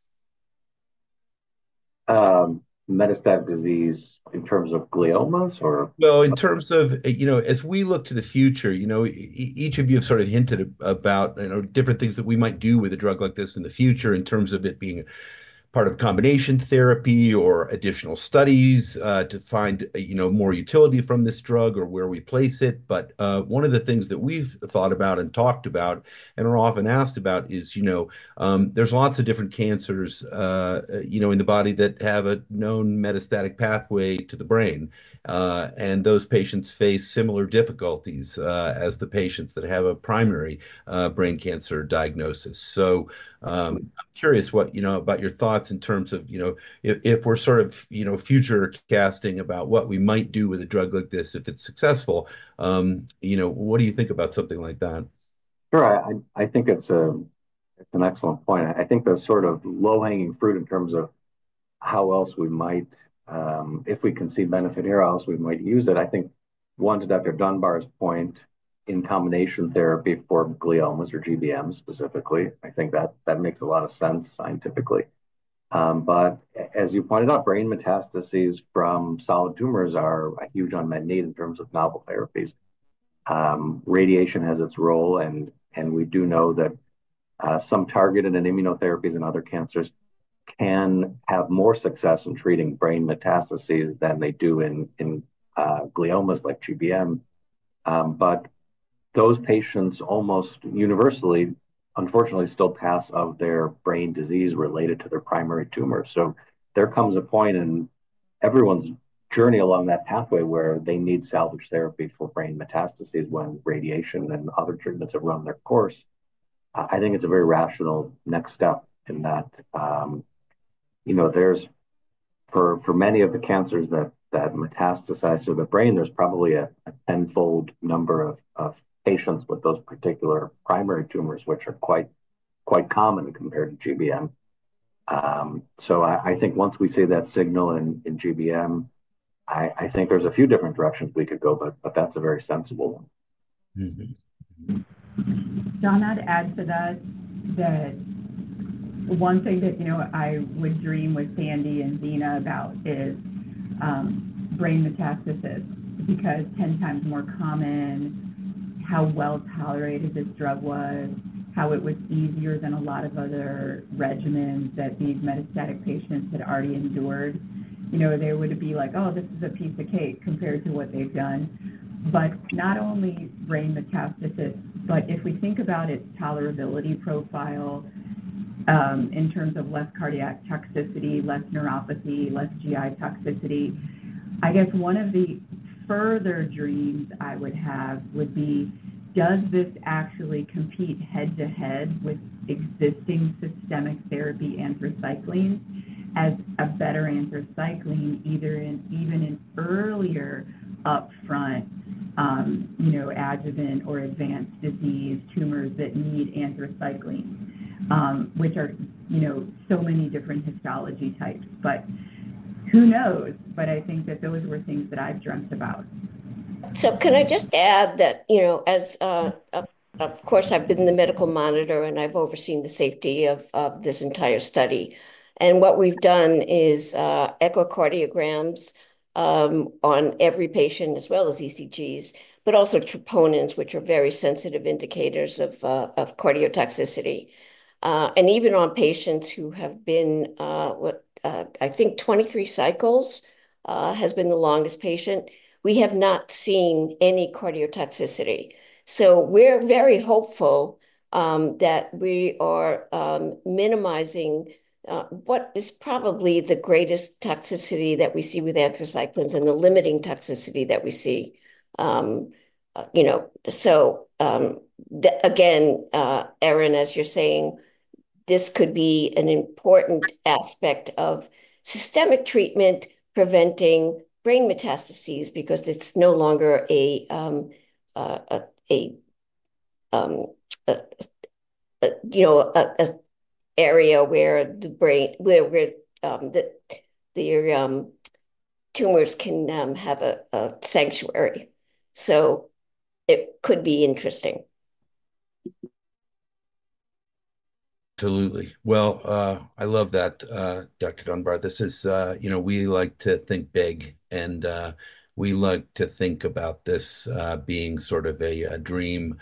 Metastatic disease in terms of gliomas or? In terms of, you know, as we look to the future, you know, each of you have sort of hinted about, you know, different things that we might do with a drug like this in the future in terms of it being part of combination therapy or additional studies to find, you know, more utility from this drug or where we place it. But one of the things that we've thought about and talked about and are often asked about is, you know, there's lots of different cancers, you know, in the body that have a known metastatic pathway to the brain. And those patients face similar difficulties as the patients that have a primary brain cancer diagnosis. So I'm curious what, you know, about your thoughts in terms of, you know, if we're sort of, you know, future casting about what we might do with a drug like this if it's successful, you know, what do you think about something like that? Sure. I think it's an excellent point. I think there's sort of low-hanging fruit in terms of how else we might, if we can see benefit here else, we might use it. I think, one, to Dr. Dunbar's point, in combination therapy for gliomas or GBM specifically, I think that makes a lot of sense scientifically but as you pointed out, brain metastases from solid tumors are a huge unmet need in terms of novel therapies. Radiation has its role, and we do know that some targeted immunotherapies in other cancers can have more success in treating brain metastases than they do in gliomas like GBM, but those patients almost universally, unfortunately, still die of their brain disease related to their primary tumor. So there comes a point in everyone's journey along that pathway where they need salvage therapy for brain metastases when radiation and other treatments have run their course. I think it's a very rational next step in that, you know, there's for many of the cancers that metastasize to the brain, there's probably a tenfold number of patients with those particular primary tumors, which are quite common compared to GBM. So I think once we see that signal in GBM, I think there's a few different directions we could go, but that's a very sensible one. John, I'd add to that that one thing that, you know, I would dream with Sandy and Dina about is brain metastasis because ten times more common, how well tolerated this drug was, how it was easier than a lot of other regimens that these metastatic patients had already endured. You know, they would be like, "Oh, this is a piece of cake compared to what they've done." But not only brain metastasis, but if we think about its tolerability profile in terms of less cardiotoxicity, less neuropathy, less GI toxicity, I guess one of the further dreams I would have would be, does this actually compete head-to-head with existing systemic therapy anthracycline as a better anthracycline, either even in earlier upfront, you know, adjuvant or advanced disease tumors that need anthracycline, which are, you know, so many different histology types. But who knows? But I think that those were things that I've dreamt about. So can I just add that, you know, as of course, I've been the medical monitor and I've overseen the safety of this entire study. And what we've done is echocardiograms on every patient as well as ECGs, but also troponins, which are very sensitive indicators of cardiotoxicity. And even on patients who have been, I think, 23 cycles has been the longest patient, we have not seen any cardiotoxicity. So we're very hopeful that we are minimizing what is probably the greatest toxicity that we see with anthracyclines and the limiting toxicity that we see. You know, so again, Erin, as you're saying, this could be an important aspect of systemic treatment preventing brain metastases because it's no longer a, you know, an area where the brain, where the tumors can have a sanctuary. So it could be interesting. Absolutely. Well, I love that, Dr. Dunbar. This is, you know, we like to think big and we like to think about this being sort of a dream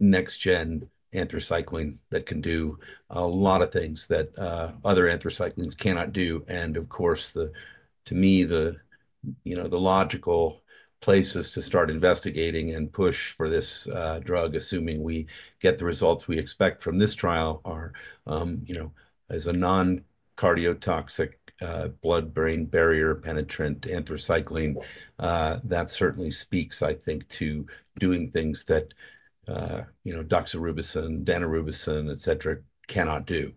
next-gen anthracycline that can do a lot of things that other anthracyclines cannot do. And of course, to me, the, you know, the logical places to start investigating and push for this drug, assuming we get the results we expect from this trial, are, you know, as a non-cardiotoxic blood-brain barrier penetrant anthracycline, that certainly speaks, I think, to doing things that, you know, doxorubicin, daunorubicin, et cetera, cannot do.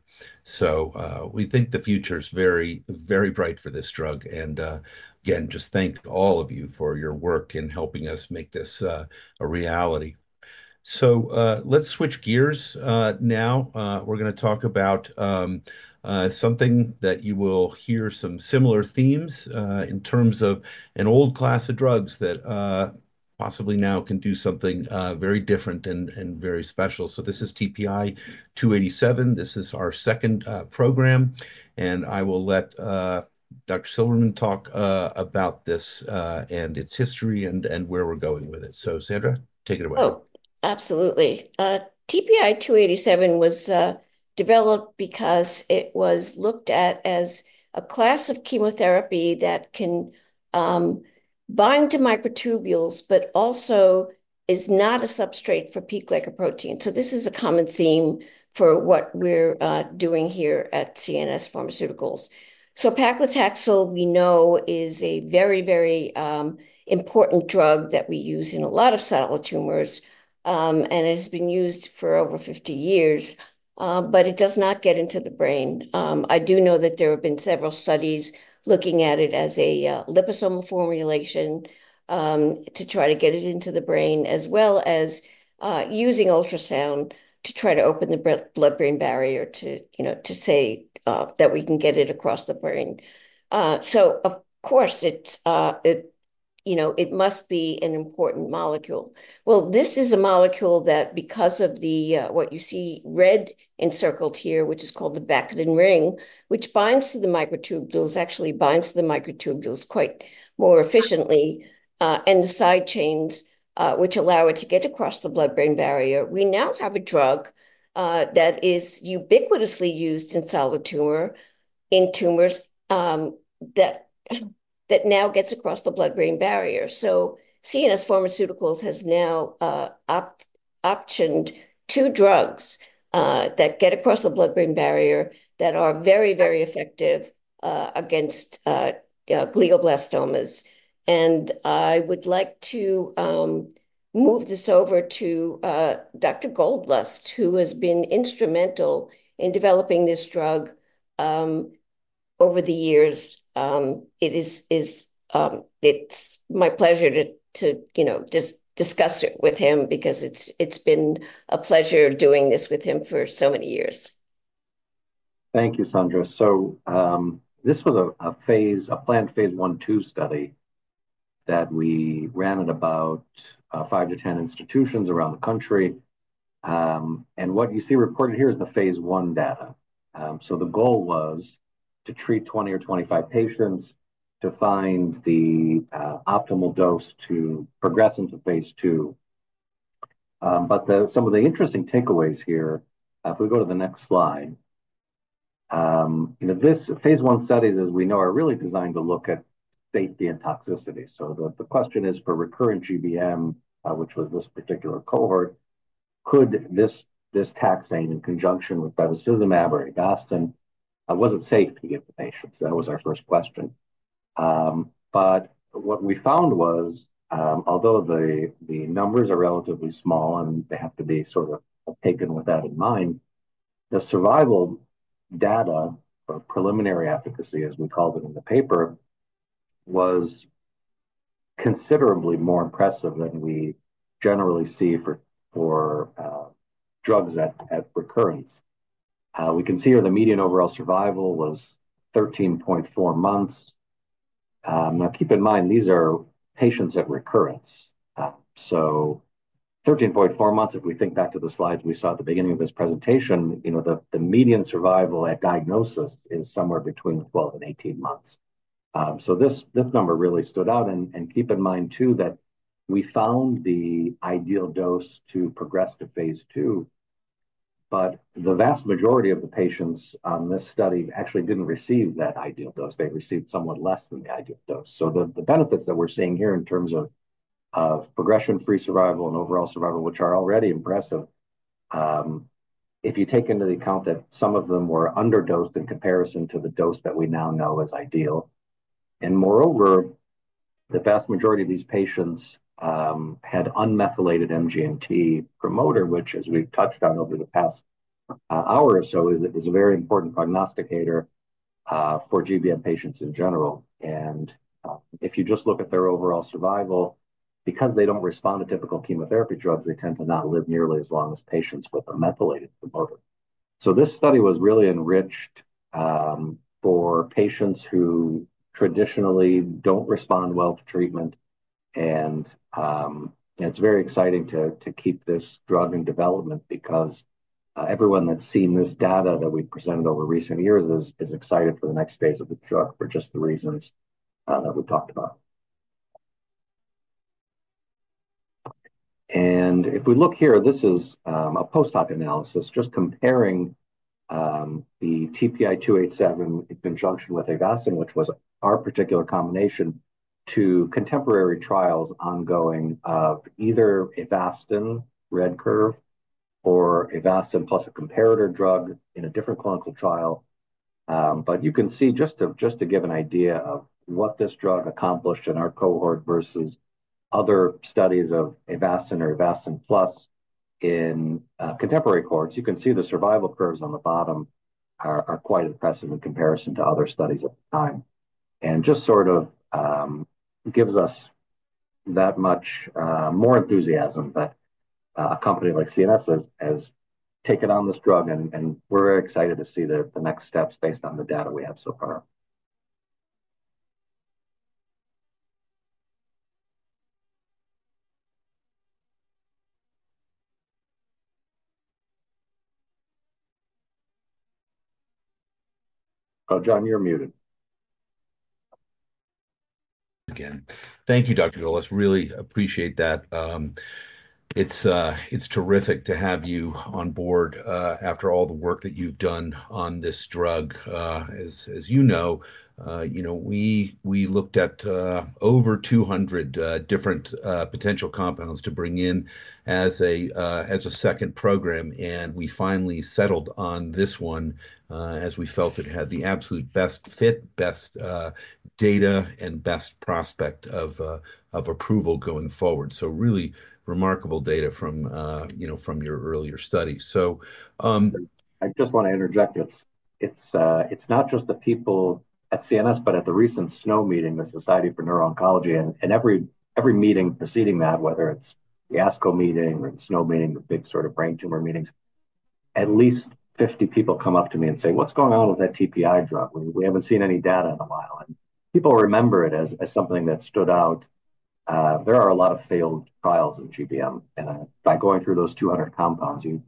So we think the future is very, very bright for this drug. And again, just thank all of you for your work in helping us make this a reality. So let's switch gears now. We're going to talk about something that you will hear some similar themes in terms of an old class of drugs that possibly now can do something very different and very special. So this is TPI 287. This is our second program. And I will let Dr. Silberman talk about this and its history and where we're going with it. So, Sandra, take it away. Oh, absolutely. TPI 287 was developed because it was looked at as a class of chemotherapy that can bind to microtubules, but also is not a substrate for P-glycoprotein. So this is a common theme for what we're doing here at CNS Pharmaceuticals. So paclitaxel, we know, is a very, very important drug that we use in a lot of solid tumors and has been used for over 50 years, but it does not get into the brain. I do know that there have been several studies looking at it as a liposomal formulation to try to get it into the brain as well as using ultrasound to try to open the blood-brain barrier to, you know, to say that we can get it across the brain. So of course, it's, you know, it must be an important molecule. This is a molecule that because of the what you see red encircled here, which is called the baccatin ring, which binds to the microtubules, actually binds to the microtubules quite more efficiently and the side chains, which allow it to get across the blood-brain barrier. We now have a drug that is ubiquitously used in solid tumors that now gets across the blood-brain barrier. CNS Pharmaceuticals has now optioned two drugs that get across the blood-brain barrier that are very, very effective against glioblastomas. I would like to move this over to Dr. Goldlust, who has been instrumental in developing this drug over the years. It is my pleasure to, you know, discuss it with him because it's been a pleasure doing this with him for so many years. Thank you, Sandra. So this was a planned phase 1/2 study that we ran at about five to ten institutions around the country. And what you see reported here is the phase I data. So the goal was to treat 20 or 25 patients to find the optimal dose to progress into phase II. But some of the interesting takeaways here, if we go to the next slide, you know, this phase I studies, as we know, are really designed to look at safety and toxicity. So the question is for recurrent GBM, which was this particular cohort, could this taxane in conjunction with bevacizumab or Avastin, was it safe to give to patients? That was our first question. But what we found was, although the numbers are relatively small and they have to be sort of taken with that in mind, the survival data of preliminary efficacy, as we called it in the paper, was considerably more impressive than we generally see for drugs at recurrence. We can see here the median overall survival was 13.4 months. Now, keep in mind, these are patients at recurrence. So 13.4 months, if we think back to the slides we saw at the beginning of this presentation, you know, the median survival at diagnosis is somewhere between 12 and 18 months. So this number really stood out. And keep in mind too that we found the ideal dose to progress to phase II, but the vast majority of the patients on this study actually didn't receive that ideal dose. They received somewhat less than the ideal dose. So the benefits that we're seeing here in terms of progression-free survival and overall survival, which are already impressive, if you take into account that some of them were underdosed in comparison to the dose that we now know as ideal, and moreover, the vast majority of these patients had unmethylated MGMT promoter, which, as we've touched on over the past hour or so, is a very important prognosticator for GBM patients in general, and if you just look at their overall survival, because they don't respond to typical chemotherapy drugs, they tend to not live nearly as long as patients with a methylated promoter, so this study was really enriched for patients who traditionally don't respond well to treatment. It's very exciting to keep this drug in development because everyone that's seen this data that we've presented over recent years is excited for the next phase of the drug for just the reasons that we've talked about. If we look here, this is a post-hoc analysis just comparing the TPI 287 in conjunction with Avastin, which was our particular combination, to contemporary trials ongoing of either Avastin red curve or Avastin plus a comparator drug in a different clinical trial. You can see just to give an idea of what this drug accomplished in our cohort versus other studies of Avastin or Avastin plus in contemporary cohorts, you can see the survival curves on the bottom are quite impressive in comparison to other studies at the time. And just sort of gives us that much more enthusiasm that a company like CNS has taken on this drug. And we're very excited to see the next steps based on the data we have so far. Oh, John, you're muted. Again. Thank you, Dr. Goldlust. Really appreciate that. It's terrific to have you on board after all the work that you've done on this drug. As you know, you know, we looked at over 200 different potential compounds to bring in as a second program. And we finally settled on this one as we felt it had the absolute best fit, best data, and best prospect of approval going forward. So really remarkable data from, you know, from your earlier studies. So. I just want to interject. It's not just the people at CNS, but at the recent SNO Meeting, the Society for Neuro-Oncology, and every meeting preceding that, whether it's the ASCO meeting or the SNO Meeting, the big sort of brain tumor meetings, at least 50 people come up to me and say, "What's going on with that TPI drug? We haven't seen any data in a while." And people remember it as something that stood out. There are a lot of failed trials in GBM. And by going through those 200 compounds, you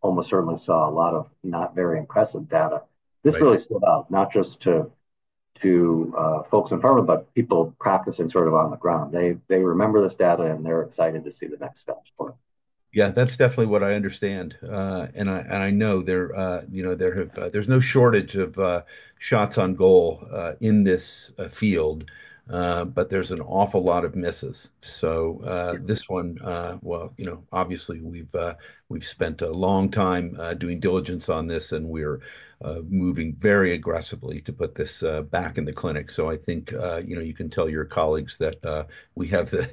almost certainly saw a lot of not very impressive data. This really stood out not just to folks in pharma, but people practicing sort of on the ground. They remember this data and they're excited to see the next steps. Yeah, that's definitely what I understand. And I know there, you know, there's no shortage of shots on goal in this field, but there's an awful lot of misses. So this one, well, you know, obviously we've spent a long time doing diligence on this and we're moving very aggressively to put this back in the clinic. So I think, you know, you can tell your colleagues that we have the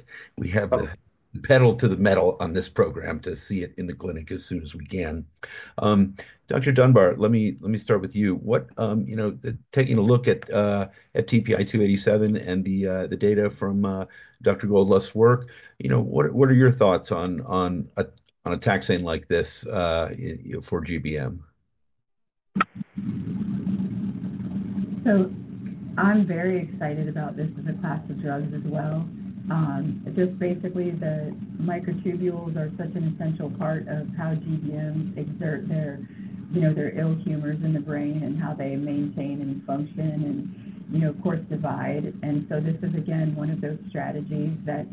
pedal to the metal on this program to see it in the clinic as soon as we can. Dr. Dunbar, let me start with you. What, you know, taking a look at TPI 287 and the data from Dr. Goldlust's work, you know, what are your thoughts on a taxane like this for GBM? I'm very excited about this as a class of drugs as well. Just basically the microtubules are such an essential part of how GBM exert their, you know, their ill humors in the brain and how they maintain and function and, you know, of course divide. This is again one of those strategies that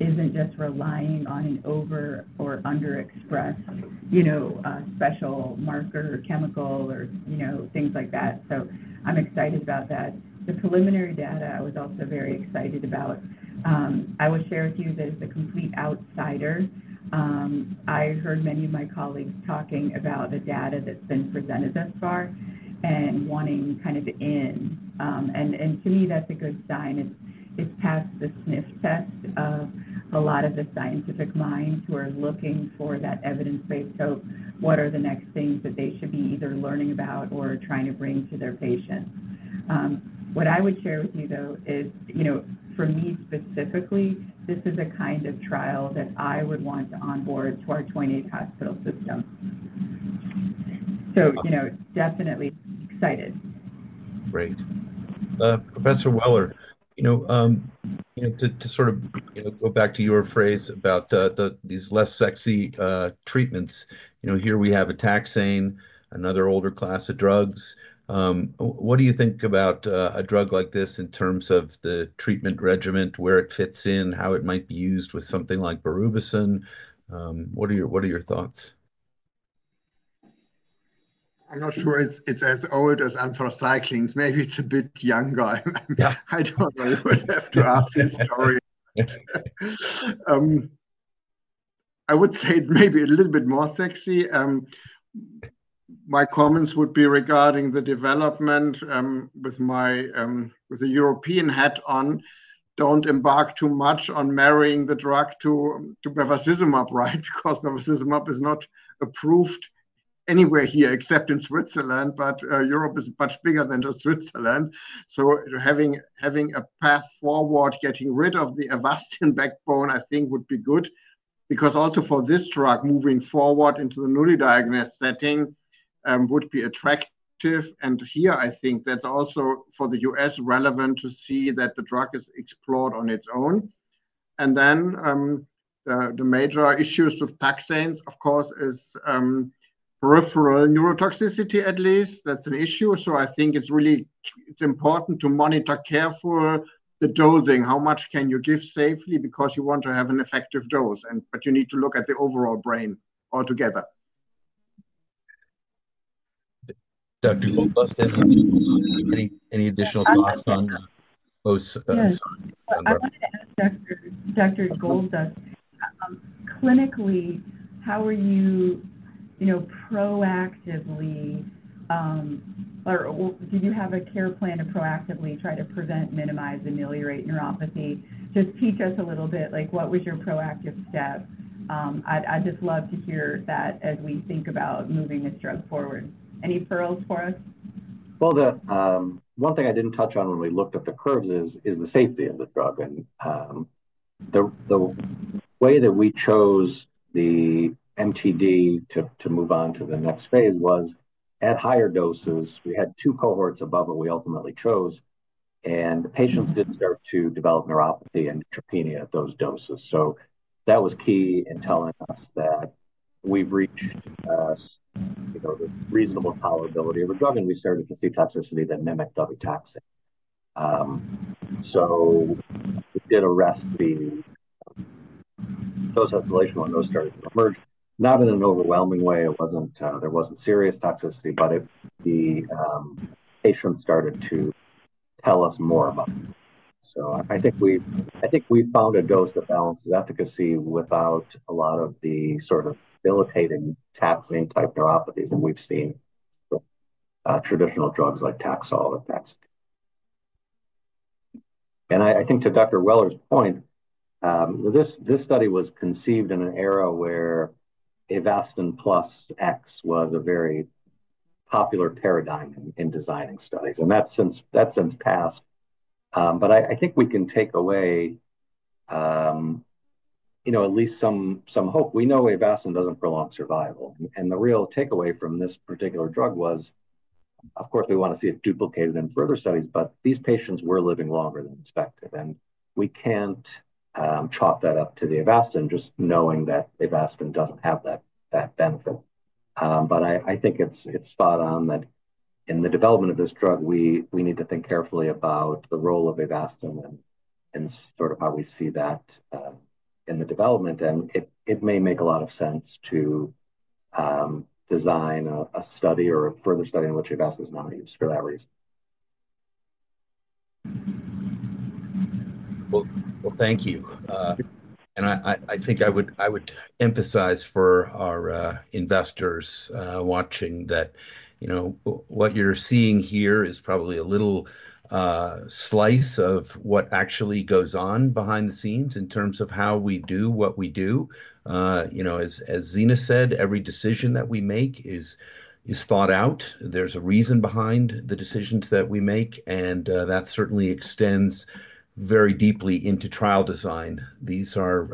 isn't just relying on an over- or underexpressed, you know, special marker chemical or, you know, things like that. I'm excited about that. The preliminary data I was also very excited about. I will share with you that as a complete outsider, I heard many of my colleagues talking about the data that's been presented thus far and wanting kind of in. To me, that's a good sign. It's passed the sniff test of a lot of the scientific minds who are looking for that evidence-based hope. What are the next things that they should be either learning about or trying to bring to their patients? What I would share with you though is, you know, for me specifically, this is a kind of trial that I would want to onboard to our 28th healthcare system. So, you know, definitely excited. Great. Professor Weller, you know, to sort of go back to your phrase about these less sexy treatments, you know, here we have a taxane, another older class of drugs. What do you think about a drug like this in terms of the treatment regimen, where it fits in, how it might be used with something like berubicin? What are your thoughts? I'm not sure it's as old as anthracyclines. Maybe it's a bit younger. I don't know. You would have to ask his story. I would say it's maybe a little bit more sexy. My comments would be regarding the development with the European hat on. Don't embark too much on marrying the drug to bevacizumab, right? Because bevacizumab is not approved anywhere here except in Switzerland, but Europe is much bigger than just Switzerland. So having a path forward, getting rid of the avastin backbone, I think would be good because also for this drug, moving forward into the newly diagnosed setting would be attractive, and here I think that's also for the U.S. relevant to see that the drug is explored on its own, and then the major issues with taxanes, of course, is peripheral neurotoxicity at least. That's an issue. I think it's really important to monitor carefully the dosing. How much can you give safely? Because you want to have an effective dose, but you need to look at the overall brain altogether. Dr. Goldlust, any additional thoughts on those? I wanted to ask Dr. Goldlust, clinically, how are you, you know, proactively or did you have a care plan to proactively try to prevent, minimize, ameliorate neuropathy? Just teach us a little bit, like what was your proactive step? I'd just love to hear that as we think about moving this drug forward. Any pearls for us? One thing I didn't touch on when we looked at the curves is the safety of the drug. The way that we chose the MTD to move on to the next phase was at higher doses. We had two cohorts above what we ultimately chose. Patients did start to develop neuropathy and neutropenia at those doses. That was key in telling us that we've reached the reasonable tolerability of a drug and we started to see toxicity that mimicked other taxanes. We did arrest the dose escalation when those started to emerge. Not in an overwhelming way. There wasn't serious toxicity, but the patients started to tell us more about it. I think we found a dose that balances efficacy without a lot of the sort of debilitating taxane-type neuropathies that we've seen with traditional drugs like Taxol or Taxotere. And I think to Dr. Weller's point, this study was conceived in an era where Avastin plus X was a very popular paradigm in designing studies. And that's since passed. But I think we can take away, you know, at least some hope. We know avastin doesn't prolong survival. And the real takeaway from this particular drug was, of course, we want to see it duplicated in further studies, but these patients were living longer than expected. And we can't chalk that up to the Avastin just knowing that Avastin doesn't have that benefit. But I think it's spot on that in the development of this drug, we need to think carefully about the role of Avastin and sort of how we see that in the development. It may make a lot of sense to design a study or a further study in which Avastin is not used for that reason. Well, thank you. And I think I would emphasize for our investors watching that, you know, what you're seeing here is probably a little slice of what actually goes on behind the scenes in terms of how we do what we do. You know, as Zena said, every decision that we make is thought out. There's a reason behind the decisions that we make. And that certainly extends very deeply into trial design. These are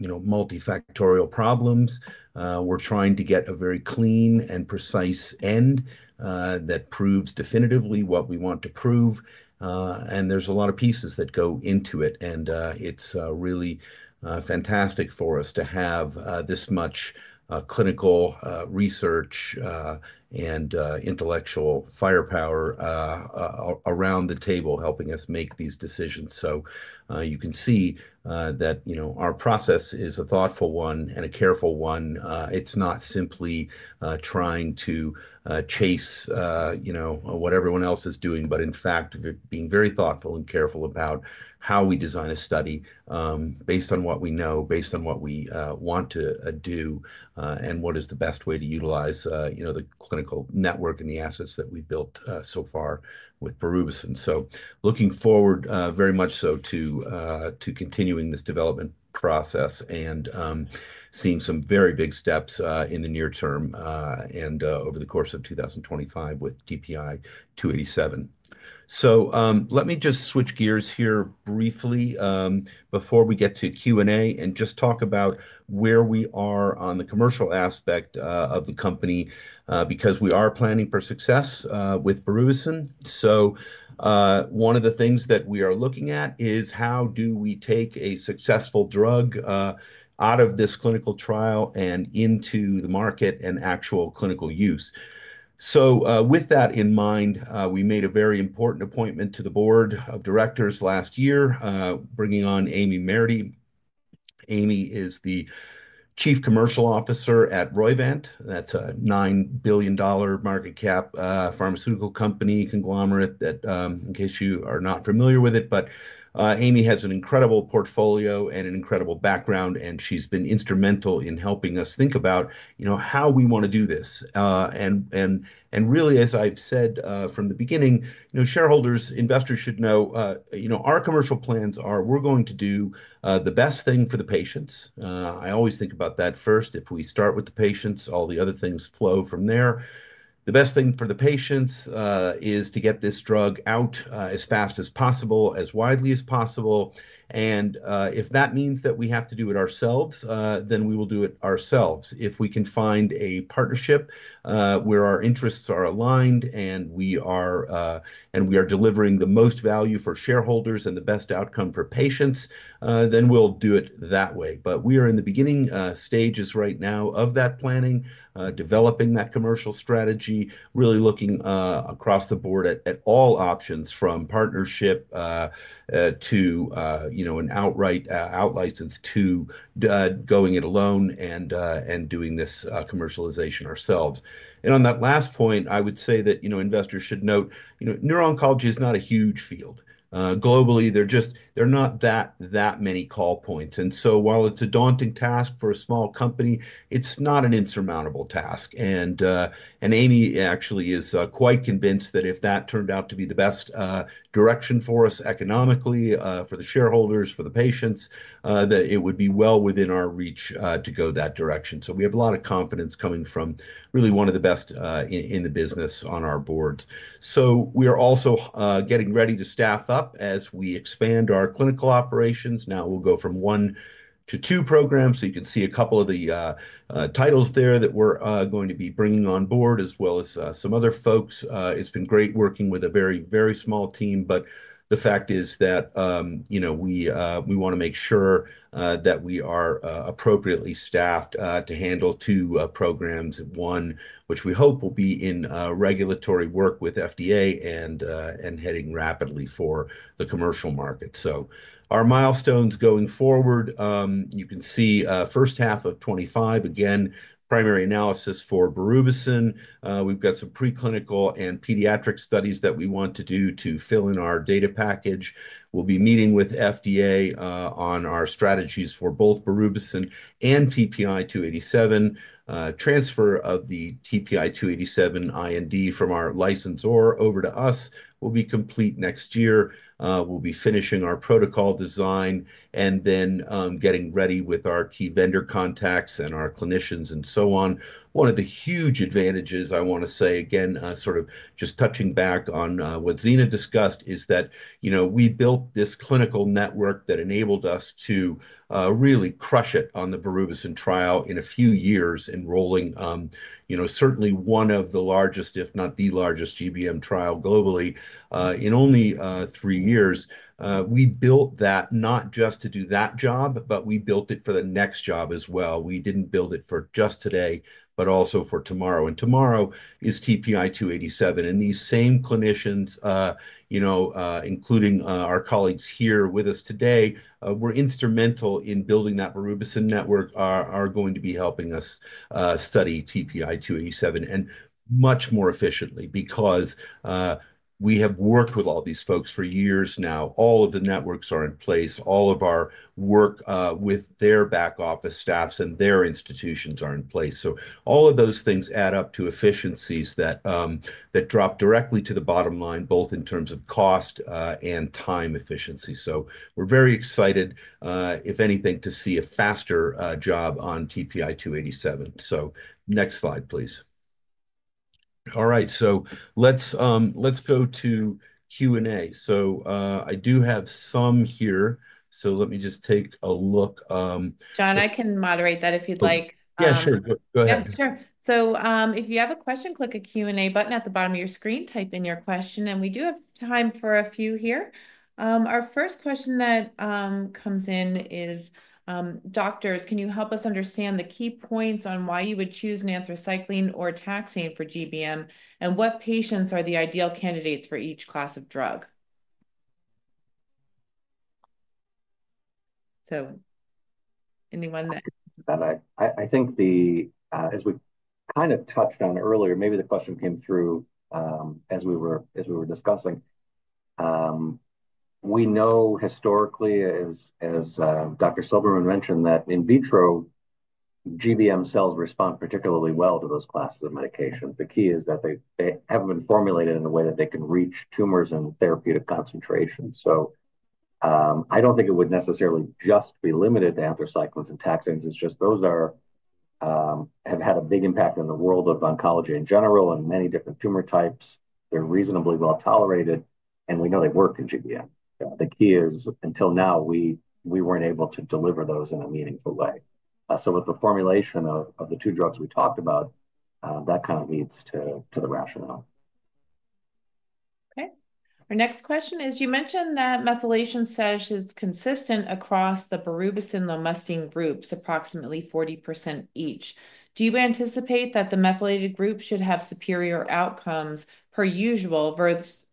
multifactorial problems. We're trying to get a very clean and precise end that proves definitively what we want to prove. And there's a lot of pieces that go into it. And it's really fantastic for us to have this much clinical research and intellectual firepower around the table helping us make these decisions. So you can see that, you know, our process is a thoughtful one and a careful one. It's not simply trying to chase, you know, what everyone else is doing, but in fact, being very thoughtful and careful about how we design a study based on what we know, based on what we want to do, and what is the best way to utilize, you know, the clinical network and the assets that we've built so far with berubicin. So looking forward very much so to continuing this development process and seeing some very big steps in the near term and over the course of 2025 with TPI 287. So let me just switch gears here briefly before we get to Q&A and just talk about where we are on the commercial aspect of the company because we are planning for success with berubicin. So one of the things that we are looking at is how do we take a successful drug out of this clinical trial and into the market and actual clinical use. So with that in mind, we made a very important appointment to the board of directors last year, bringing on Amy Mahery. Amy is the Chief Commercial Officer at Roivant. That's a $9 billion market cap pharmaceutical company conglomerate that, in case you are not familiar with it, but Amy has an incredible portfolio and an incredible background, and she's been instrumental in helping us think about, you know, how we want to do this. And really, as I've said from the beginning, you know, shareholders, investors should know, you know, our commercial plans are we're going to do the best thing for the patients. I always think about that first. If we start with the patients, all the other things flow from there. The best thing for the patients is to get this drug out as fast as possible, as widely as possible. And if that means that we have to do it ourselves, then we will do it ourselves. If we can find a partnership where our interests are aligned and we are delivering the most value for shareholders and the best outcome for patients, then we'll do it that way. But we are in the beginning stages right now of that planning, developing that commercial strategy, really looking across the board at all options from partnership to, you know, an outright out license to going it alone and doing this commercialization ourselves. And on that last point, I would say that, you know, investors should note, you know, neuro-oncology is not a huge field. Globally, they're just not that many call points. And so while it's a daunting task for a small company, it's not an insurmountable task. And Amy actually is quite convinced that if that turned out to be the best direction for us economically, for the shareholders, for the patients, that it would be well within our reach to go that direction. So we have a lot of confidence coming from really one of the best in the business on our board. So we are also getting ready to staff up as we expand our clinical operations. Now we'll go from one to two programs. So you can see a couple of the titles there that we're going to be bringing on board as well as some other folks. It's been great working with a very, very small team. But the fact is that, you know, we want to make sure that we are appropriately staffed to handle two programs, one which we hope will be in regulatory work with FDA and heading rapidly for the commercial market. So our milestones going forward, you can see first half of 2025, again, primary analysis for berubicin. We've got some preclinical and pediatric studies that we want to do to fill in our data package. We'll be meeting with FDA on our strategies for both berubicin and TPI 287. Transfer of the TPI 287 IND from our licensor over to us will be complete next year. We'll be finishing our protocol design and then getting ready with our key vendor contacts and our clinicians and so on. One of the huge advantages I want to say again, sort of just touching back on what Zena discussed is that, you know, we built this clinical network that enabled us to really crush it on the berubicin trial in a few years and rolling, you know, certainly one of the largest, if not the largest GBM trial globally in only three years. We built that not just to do that job, but we built it for the next job as well. We didn't build it for just today, but also for tomorrow. And tomorrow is TPI 287. And these same clinicians, you know, including our colleagues here with us today, were instrumental in building that berubicin network, are going to be helping us study TPI 287 and much more efficiently because we have worked with all these folks for years now. All of the networks are in place. All of our work with their back office staffs and their institutions are in place. So all of those things add up to efficiencies that drop directly to the bottom line, both in terms of cost and time efficiency. So we're very excited, if anything, to see a faster job on TPI 287. So next slide, please. All right. So let's go to Q&A. So I do have some here. So let me just take a look. John, I can moderate that if you'd like. Yeah, sure. Go ahead. Yeah, sure. So if you have a question, click a Q&A button at the bottom of your screen, type in your question, and we do have time for a few here. Our first question that comes in is, "Doctors, can you help us understand the key points on why you would choose an anthracycline or taxane for GBM? And what patients are the ideal candidates for each class of drug?" So anyone that. I think as we kind of touched on earlier, maybe the question came through as we were discussing. We know historically, as Dr. Silberman mentioned, that in vitro, GBM cells respond particularly well to those classes of medications. The key is that they haven't been formulated in a way that they can reach tumors in therapeutic concentration. So I don't think it would necessarily just be limited to anthracyclines and taxanes. It's just those have had a big impact in the world of oncology in general and many different tumor types. They're reasonably well tolerated, and we know they work in GBM. The key is until now, we weren't able to deliver those in a meaningful way. So with the formulation of the two drugs we talked about, that kind of leads to the rationale. Okay. Our next question is, "You mentioned that methylation status is consistent across the berubicin-lomustine groups, approximately 40% each. Do you anticipate that the methylated group should have superior outcomes per usual versus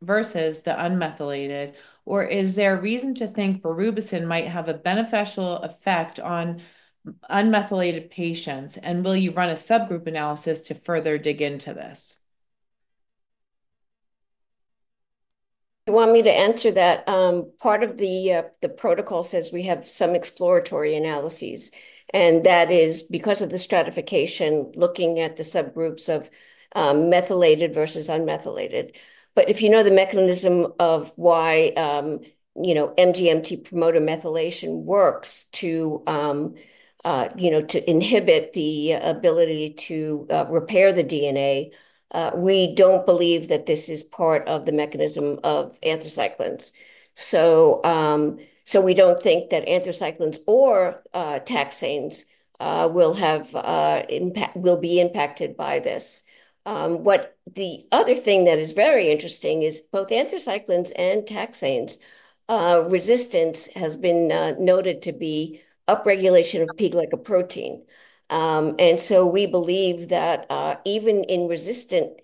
the unmethylated? Or is there a reason to think berubicin might have a beneficial effect on unmethylated patients? And will you run a subgroup analysis to further dig into this? You want me to answer that? Part of the protocol says we have some exploratory analyses, and that is because of the stratification looking at the subgroups of methylated versus unmethylated. But if you know the mechanism of why, you know, MGMT promoter methylation works to, you know, to inhibit the ability to repair the DNA, we don't believe that this is part of the mechanism of anthracyclines. So we don't think that anthracyclines or taxanes will be impacted by this. What the other thing that is very interesting is, both anthracyclines and taxanes, resistance has been noted to be upregulation of P-glycoprotein. And so we believe that even in resistant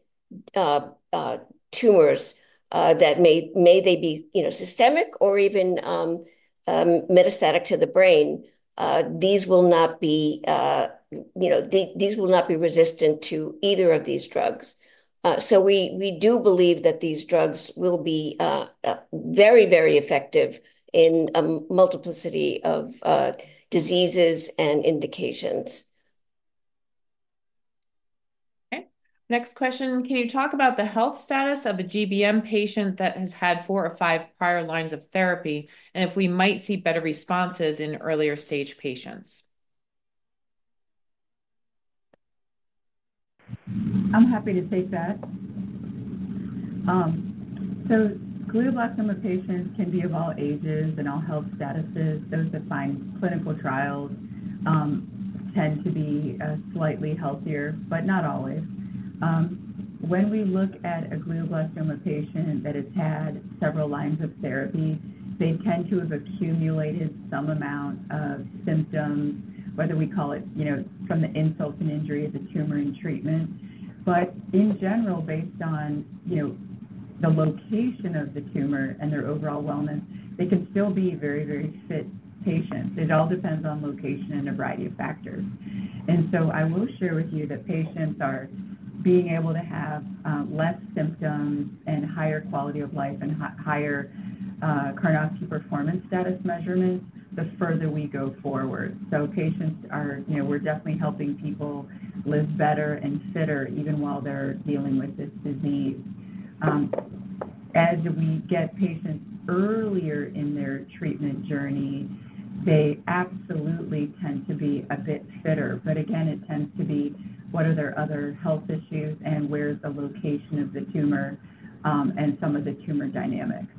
tumors, that may they be, you know, systemic or even metastatic to the brain, these will not be, you know, these will not be resistant to either of these drugs. So we do believe that these drugs will be very, very effective in multiplicity of diseases and indications. Okay. Next question, "Can you talk about the health status of a GBM patient that has had four or five prior lines of therapy and if we might see better responses in earlier stage patients? I'm happy to take that. Glioblastoma patients can be of all ages and all health statuses. Those that find clinical trials tend to be slightly healthier, but not always. When we look at a glioblastoma patient that has had several lines of therapy, they tend to have accumulated some amount of symptoms, whether we call it, you know, from the insult and injury of the tumor and treatment. But in general, based on, you know, the location of the tumor and their overall wellness, they can still be very, very fit patients. It all depends on location and a variety of factors. I will share with you that patients are being able to have less symptoms and higher quality of life and higher Karnofsky performance status measurements the further we go forward. So patients are, you know, we're definitely helping people live better and fitter even while they're dealing with this disease. As we get patients earlier in their treatment journey, they absolutely tend to be a bit fitter. But again, it tends to be what are their other health issues and where's the location of the tumor and some of the tumor dynamics.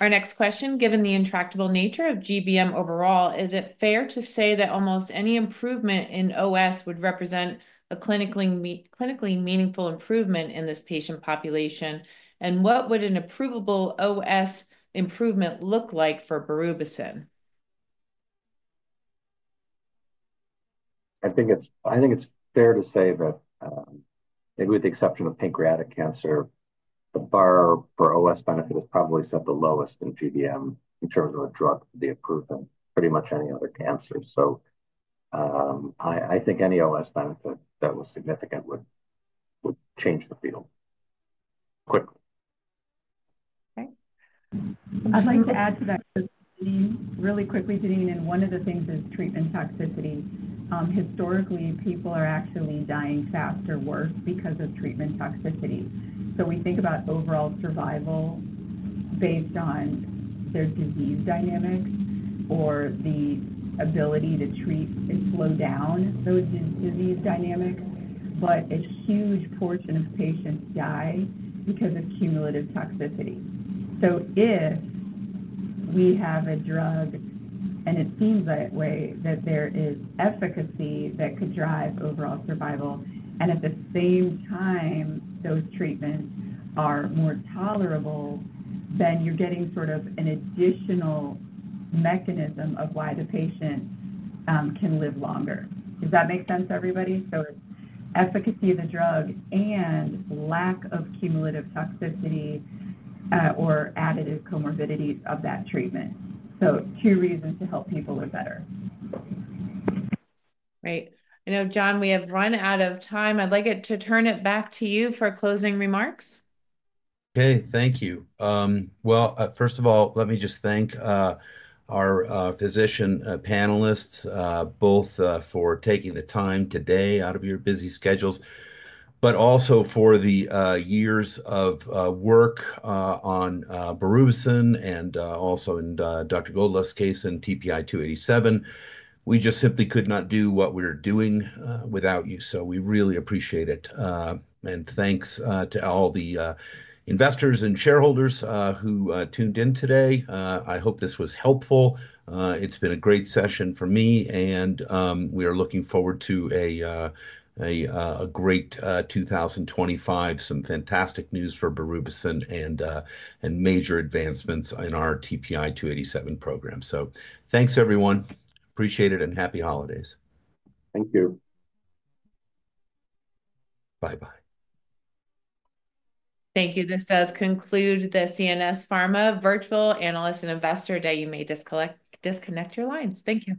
Our next question, "Given the intractable nature of GBM overall, is it fair to say that almost any improvement in OS would represent a clinically meaningful improvement in this patient population? And what would an approvable OS improvement look like for berubicin? I think it's fair to say that maybe with the exception of pancreatic cancer, the bar for OS benefit is probably set the lowest in GBM in terms of a drug to be approved in pretty much any other cancer, so I think any OS benefit that was significant would change the field quickly. Okay. I'd like to add to that, really quickly, Jenene, and one of the things is treatment toxicity. Historically, people are actually dying faster or worse because of treatment toxicity. So we think about overall survival based on their disease dynamics or the ability to treat and slow down those disease dynamics. But a huge portion of patients die because of cumulative toxicity. So if we have a drug and it seems that way that there is efficacy that could drive overall survival, and at the same time, those treatments are more tolerable, then you're getting sort of an additional mechanism of why the patient can live longer. Does that make sense, everybody? So it's efficacy of the drug and lack of cumulative toxicity or additive comorbidities of that treatment. So two reasons to help people live better. Great. I know, John, we have run out of time. I'd like to turn it back to you for closing remarks. Okay. Thank you. Well, first of all, let me just thank our physician panelists both for taking the time today out of your busy schedules, but also for the years of work on berubicin and also in Dr. Goldlust's case and TPI 287. We just simply could not do what we're doing without you. So we really appreciate it. And thanks to all the investors and shareholders who tuned in today. I hope this was helpful. It's been a great session for me. And we are looking forward to a great 2025, some fantastic news for berubicin and major advancements in our TPI 287 program. So thanks, everyone. Appreciate it and happy holidays. Thank you. Bye-bye. Thank you. This does conclude the CNS Pharma Virtual Analyst and Investor Day. You may disconnect your lines. Thank you.